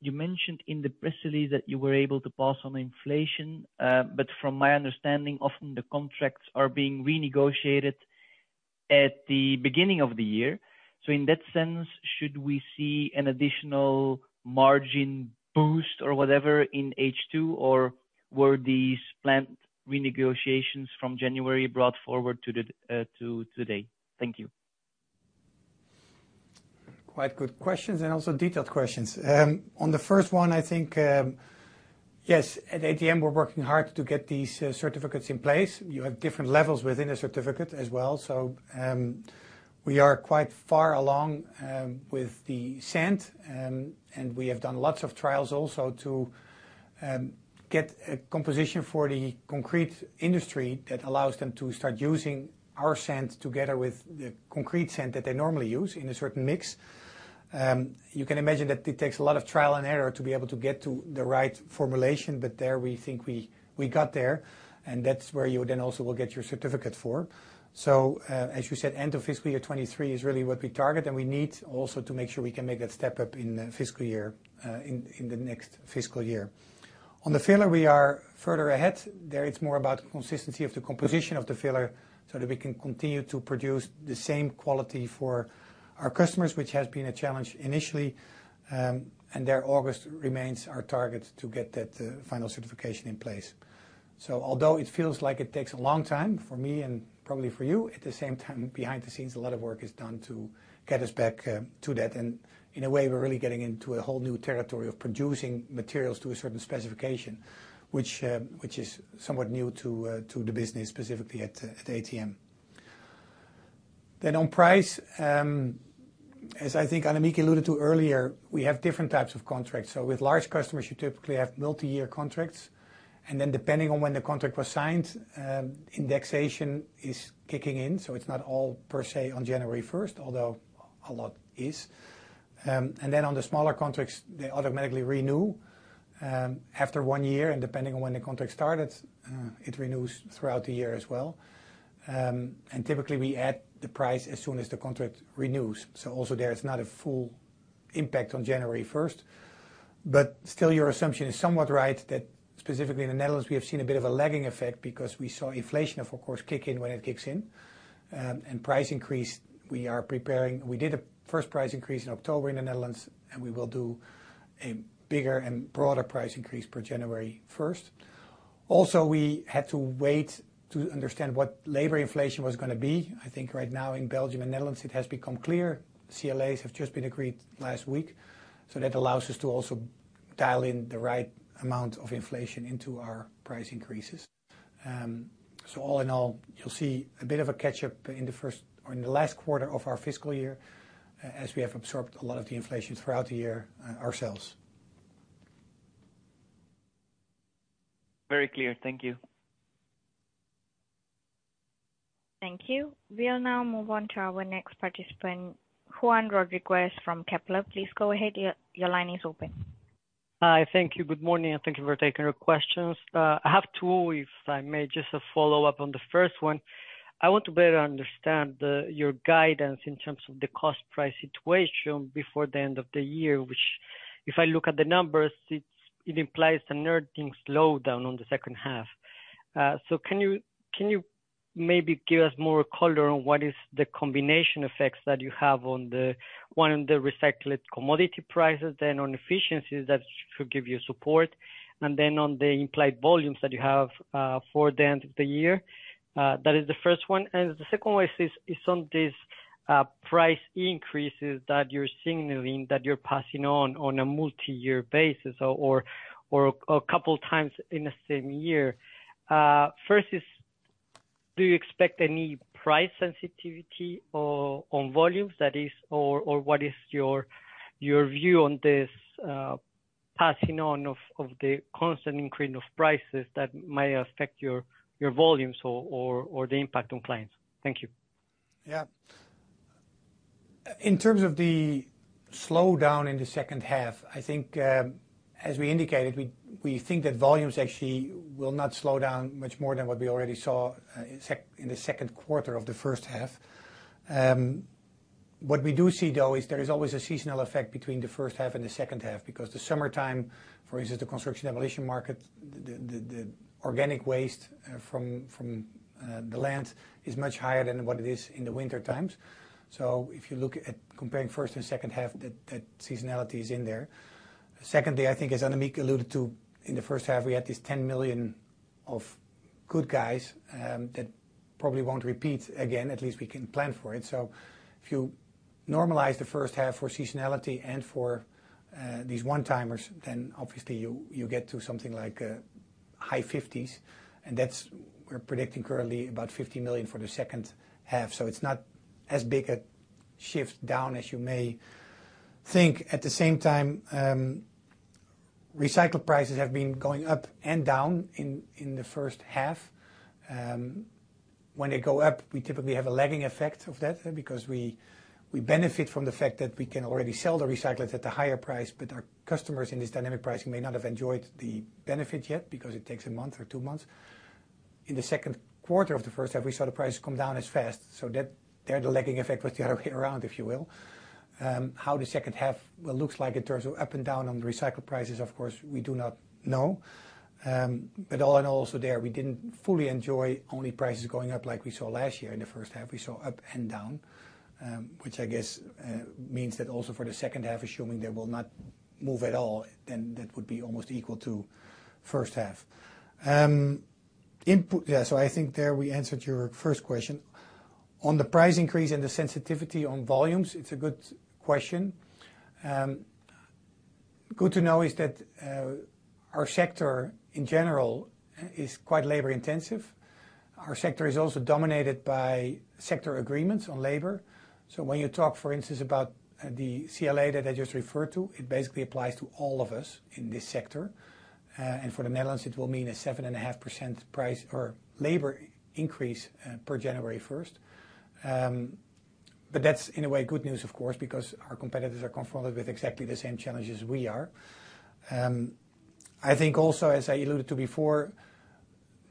you mentioned in the press release that you were able to pass on inflation. But from my understanding, often the contracts are being renegotiated at the beginning of the year. In that sense, should we see an additional margin boost or whatever in H2, or were these planned renegotiations from January brought forward to the, to today? Thank you. Quite good questions and also detailed questions. On the first one, I think, yes, at ATM, we're working hard to get these, certificates in place. You have different levels within a certificate as well. We are quite far along, with the sand, and we have done lots of trials also to, get a composition for the concrete industry that allows them to start using our sand together with the concrete sand that they normally use in a certain mix. You can imagine that it takes a lot of trial and error to be able to get to the right formulation, but there we think we got there, and that's where you then also will get your certificate for. As you said, end of fiscal year 2023 is really what we target, and we need also to make sure we can make that step up in fiscal year in the next fiscal year. On the filler, we are further ahead. There, it is more about consistency of the composition of the filler so that we can continue to produce the same quality for our customers, which has been a challenge initially. And there, August remains our target to get that final certification in place. Although it feels like it takes a long time for me and probably for you, at the same time, behind the scenes, a lot of work is done to get us back to that. In a way, we're really getting into a whole new territory of producing materials to a certain specification, which is somewhat new to the business, specifically at ATM. On price, as I think Annemieke alluded to earlier, we have different types of contracts. With large customers, you typically have multi-year contracts. Depending on when the contract was signed, indexation is kicking in, so it's not all per se on January 1st, although a lot is. On the smaller contracts, they automatically renew after one year, and depending on when the contract started, it renews throughout the year as well. Typically, we add the price as soon as the contract renews. Also there, it's not a full impact on January 1st. Still, your assumption is somewhat right that specifically in the Netherlands, we have seen a bit of a lagging effect because we saw inflation, of course, kick in when it kicks in. We did a first price increase in October in the Netherlands, and we will do a bigger and broader price increase per January 1st. Also, we had to wait to understand what labor inflation was gonna be. I think right now in Belgium and Netherlands, it has become clear. CLAs have just been agreed last week. That allows us to also dial in the right amount of inflation into our price increases. All in all, you'll see a bit of a catch-up in the first or in the last quarter of our fiscal year as we have absorbed a lot of the inflation throughout the year ourselves. Very clear. Thank you. Thank you. We'll now move on to our next participant, Juan Rodriguez from Kepler Cheuvreux. Please go ahead. Your line is open. Hi. Thank you. Good morning, and thank you for taking our questions. I have two, if I may, just a follow-up on the first one. I want to better understand the, your guidance in terms of the cost-price situation before the end of the year, which if I look at the numbers, it implies an earnings slowdown on the second half. So can you maybe give us more color on what is the combination effects that you have on the, one, on the recycled commodity prices, then on efficiencies that should give you support, and then on the implied volumes that you have, for the end of the year? That is the first one. The second one is on this. Price increases that you're signaling that you're passing on a multi-year basis or a couple times in the same year. First, do you expect any price sensitivity on volumes? Or what is your view on this passing on of the constant increase of prices that may affect your volumes or the impact on clients? Thank you. Yeah. In terms of the slowdown in the second half, I think, as we indicated, we think that volumes actually will not slow down much more than what we already saw in the second quarter of the first half. What we do see, though, is there is always a seasonal effect between the first half and the second half, because the summertime, for instance, the construction demolition market, the organic waste from the land is much higher than what it is in the winter times. If you look at comparing first and second half, that seasonality is in there. Secondly, I think as Annemieke alluded to in the first half, we had this 10 million of goodwill, that probably won't repeat again. At least we can plan for it. If you normalize the first half for seasonality and for these one-timers, then obviously you get to something like high 50s. That's we're predicting currently about 50 million for the second half. It's not as big a shift down as you may think. At the same time, recyclate prices have been going up and down in the first half. When they go up, we typically have a lagging effect of that because we benefit from the fact that we can already sell the recyclates at the higher price. But our customers in this dynamic pricing may not have enjoyed the benefit yet because it takes a month or two months. In the second quarter of the first half, we saw the prices come down as fast. That there, the lagging effect was the other way around, if you will. How the second half looks like in terms of up and down on the recycled prices, of course, we do not know. All in all, so there we didn't fully enjoy only prices going up like we saw last year in the first half. We saw up and down, which I guess means that also for the second half, assuming they will not move at all, then that would be almost equal to first half. Yeah, I think there we answered your first question. On the price increase and the sensitivity on volumes, it's a good question. Good to know is that our sector in general is quite labor-intensive. Our sector is also dominated by sector agreements on labor. When you talk, for instance, about the CLA that I just referred to, it basically applies to all of us in this sector. For the Netherlands, it will mean a 7.5% price or labor increase, per January 1st. That's in a way good news, of course, because our competitors are confronted with exactly the same challenges we are. I think also, as I alluded to before,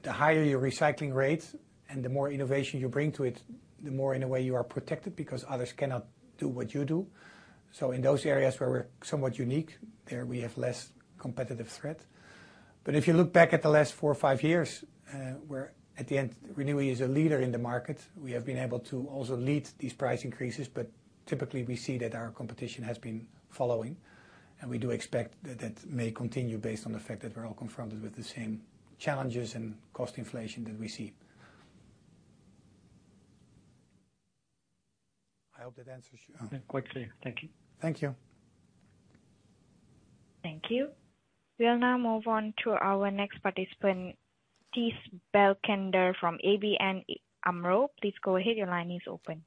the higher your recycling rates and the more innovation you bring to it, the more in a way you are protected because others cannot do what you do. In those areas where we're somewhat unique, there we have less competitive threat. If you look back at the last four or five years, we're at the end, Renewi is a leader in the market. We have been able to also lead these price increases, but typically we see that our competition has been following, and we do expect that that may continue based on the fact that we're all confronted with the same challenges and cost inflation that we see. I hope that answers your- Quite clear. Thank you. Thank you. Thank you. We'll now move on to our next participant, Thijs Berkelder from ABN AMRO. Please go ahead. Your line is open.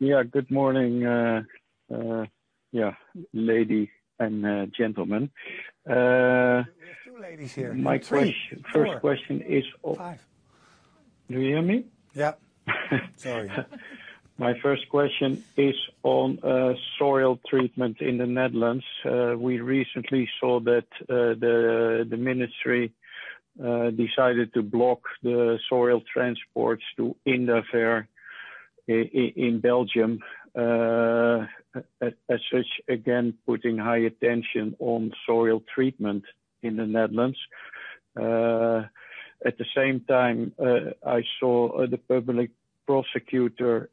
Good morning, ladies and gentlemen. We have two ladies here. Three, four. My first question is. Five. Do you hear me? Yeah. Sorry. My first question is on soil treatment in the Netherlands. We recently saw that the ministry decided to block the soil transports to Indaver in Belgium. As such, again, putting high attention on soil treatment in the Netherlands. At the same time, I saw the public prosecutor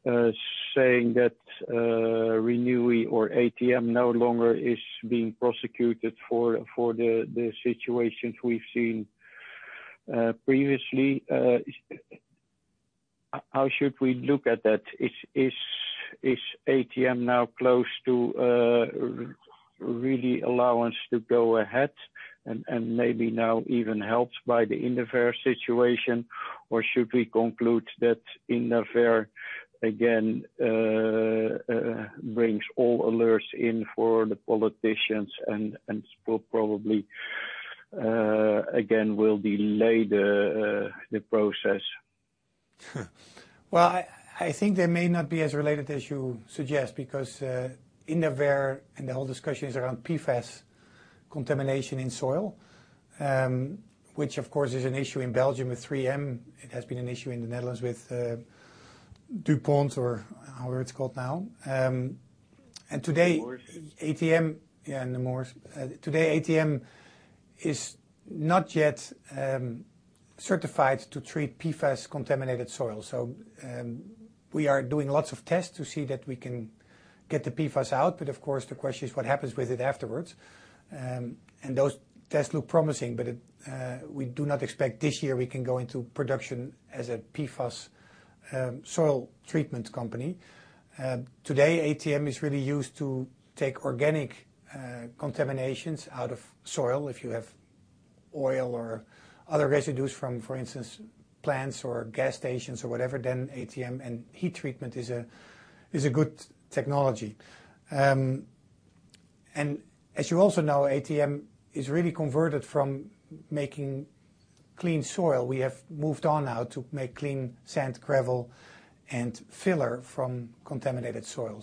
saying that Renewi or ATM no longer is being prosecuted for the situations we've seen previously. How should we look at that? Is ATM now close to really allowance to go ahead and maybe now even helped by the Indaver situation? Or should we conclude that Indaver again brings all alerts in for the politicians and will probably again delay the process? Well, I think they may not be as related as you suggest, because Indaver and the whole discussion is around PFAS contamination in soil, which of course is an issue in Belgium with 3M. It has been an issue in the Netherlands with DuPont or however it's called now. Chemours. ATM. Yeah, Chemours. Today ATM is not yet certified to treat PFAS-contaminated soil. We are doing lots of tests to see that we can get the PFAS out. Of course, the question is what happens with it afterwards. Those tests look promising, but we do not expect this year we can go into production as a PFAS soil treatment company. Today, ATM is really used to take organic contaminations out of soil. If you have oil or other residues from, for instance, plants or gas stations or whatever, then ATM and heat treatment is a good technology. As you also know, ATM is really converted from making clean soil. We have moved on now to make clean sand, gravel, and filler from contaminated soil.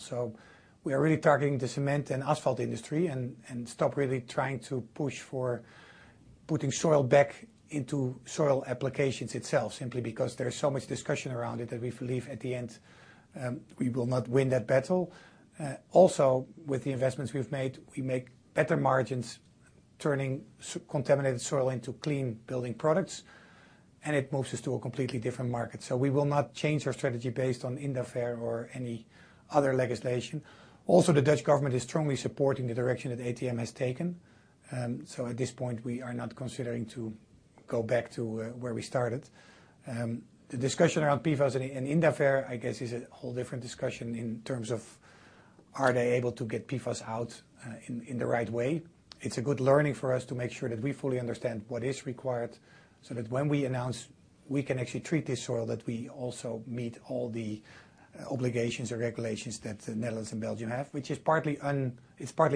We are really targeting the cement and asphalt industry and stop really trying to push for putting soil back into soil applications itself, simply because there is so much discussion around it that we believe at the end, we will not win that battle. Also, with the investments we've made, we make better margins turning contaminated soil into clean building products, and it moves us to a completely different market. We will not change our strategy based on Indaver or any other legislation. Also, the Dutch government is strongly supporting the direction that ATM has taken. At this point, we are not considering to go back to where we started. The discussion around PFAS and Indaver, I guess, is a whole different discussion in terms of are they able to get PFAS out in the right way. It's a good learning for us to make sure that we fully understand what is required so that when we announce we can actually treat this soil, that we also meet all the obligations or regulations that the Netherlands and Belgium have, which is partly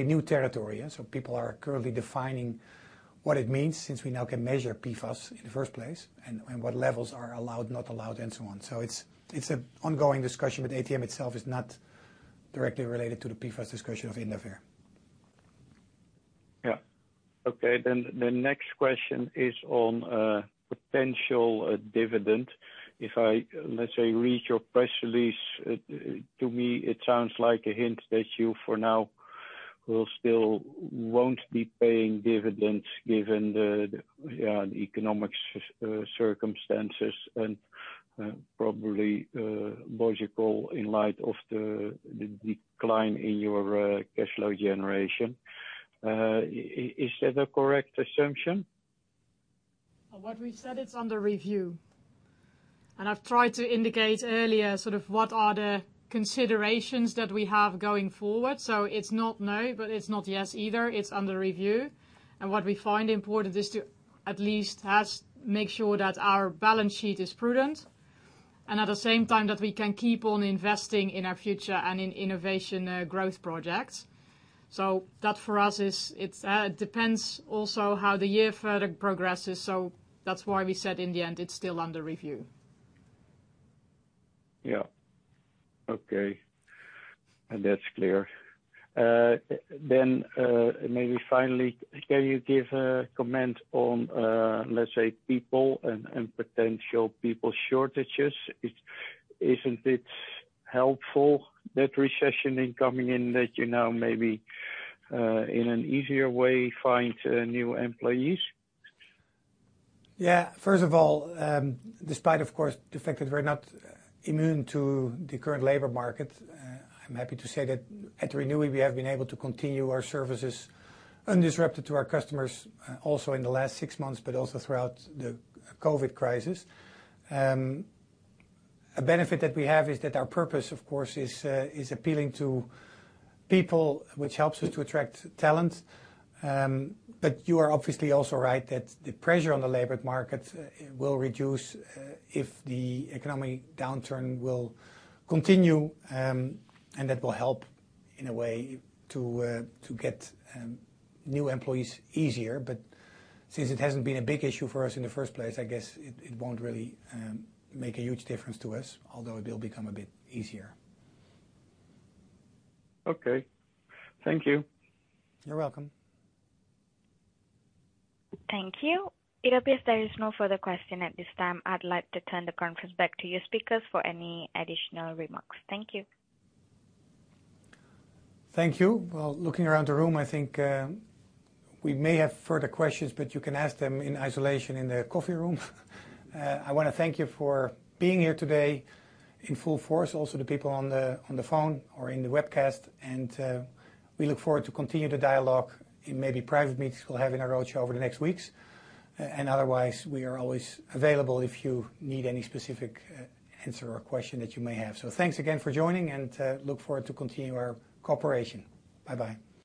new territory, yeah. People are currently defining what it means since we now can measure PFAS in the first place and what levels are allowed, not allowed and so on. It's an ongoing discussion, but ATM itself is not directly related to the PFAS discussion of Indaver. The next question is on potential dividend. If I, let's say, read your press release, to me, it sounds like a hint that you, for now, will still won't be paying dividends given the economic circumstances and probably logical in light of the decline in your cash flow generation. Is that a correct assumption? What we said, it's under review. I've tried to indicate earlier sort of what are the considerations that we have going forward. It's not no, but it's not yes either. It's under review. What we find important is to at least make sure that our balance sheet is prudent, and at the same time that we can keep on investing in our future and in innovation, growth projects. That, for us, is it depends also how the year further progresses. That's why we said in the end, it's still under review. Yeah. Okay. That's clear. Maybe finally, can you give a comment on, let's say, people and potential people shortages? Isn't it helpful that recession incoming in that you now maybe in an easier way find new employees? Yeah. First of all, despite, of course, the fact that we're not immune to the current labor market, I'm happy to say that at Renewi, we have been able to continue our services undisrupted to our customers, also in the last six months, but also throughout the COVID crisis. A benefit that we have is that our purpose, of course, is appealing to people, which helps us to attract talent. You are obviously also right that the pressure on the labor market will reduce, if the economic downturn will continue, and that will help in a way to get new employees easier. Since it hasn't been a big issue for us in the first place, I guess it won't really make a huge difference to us, although it will become a bit easier. Okay. Thank you. You're welcome. Thank you. It appears there is no further question at this time. I'd like to turn the conference back to you speakers for any additional remarks. Thank you. Thank you. Well, looking around the room, I think we may have further questions, but you can ask them in isolation in the coffee room. I wanna thank you for being here today in full force, also the people on the phone or in the webcast. We look forward to continue the dialogue in maybe private meetings we'll have in A Rocha over the next weeks. And otherwise, we are always available if you need any specific answer or question that you may have. Thanks again for joining, and look forward to continue our cooperation. Bye-bye.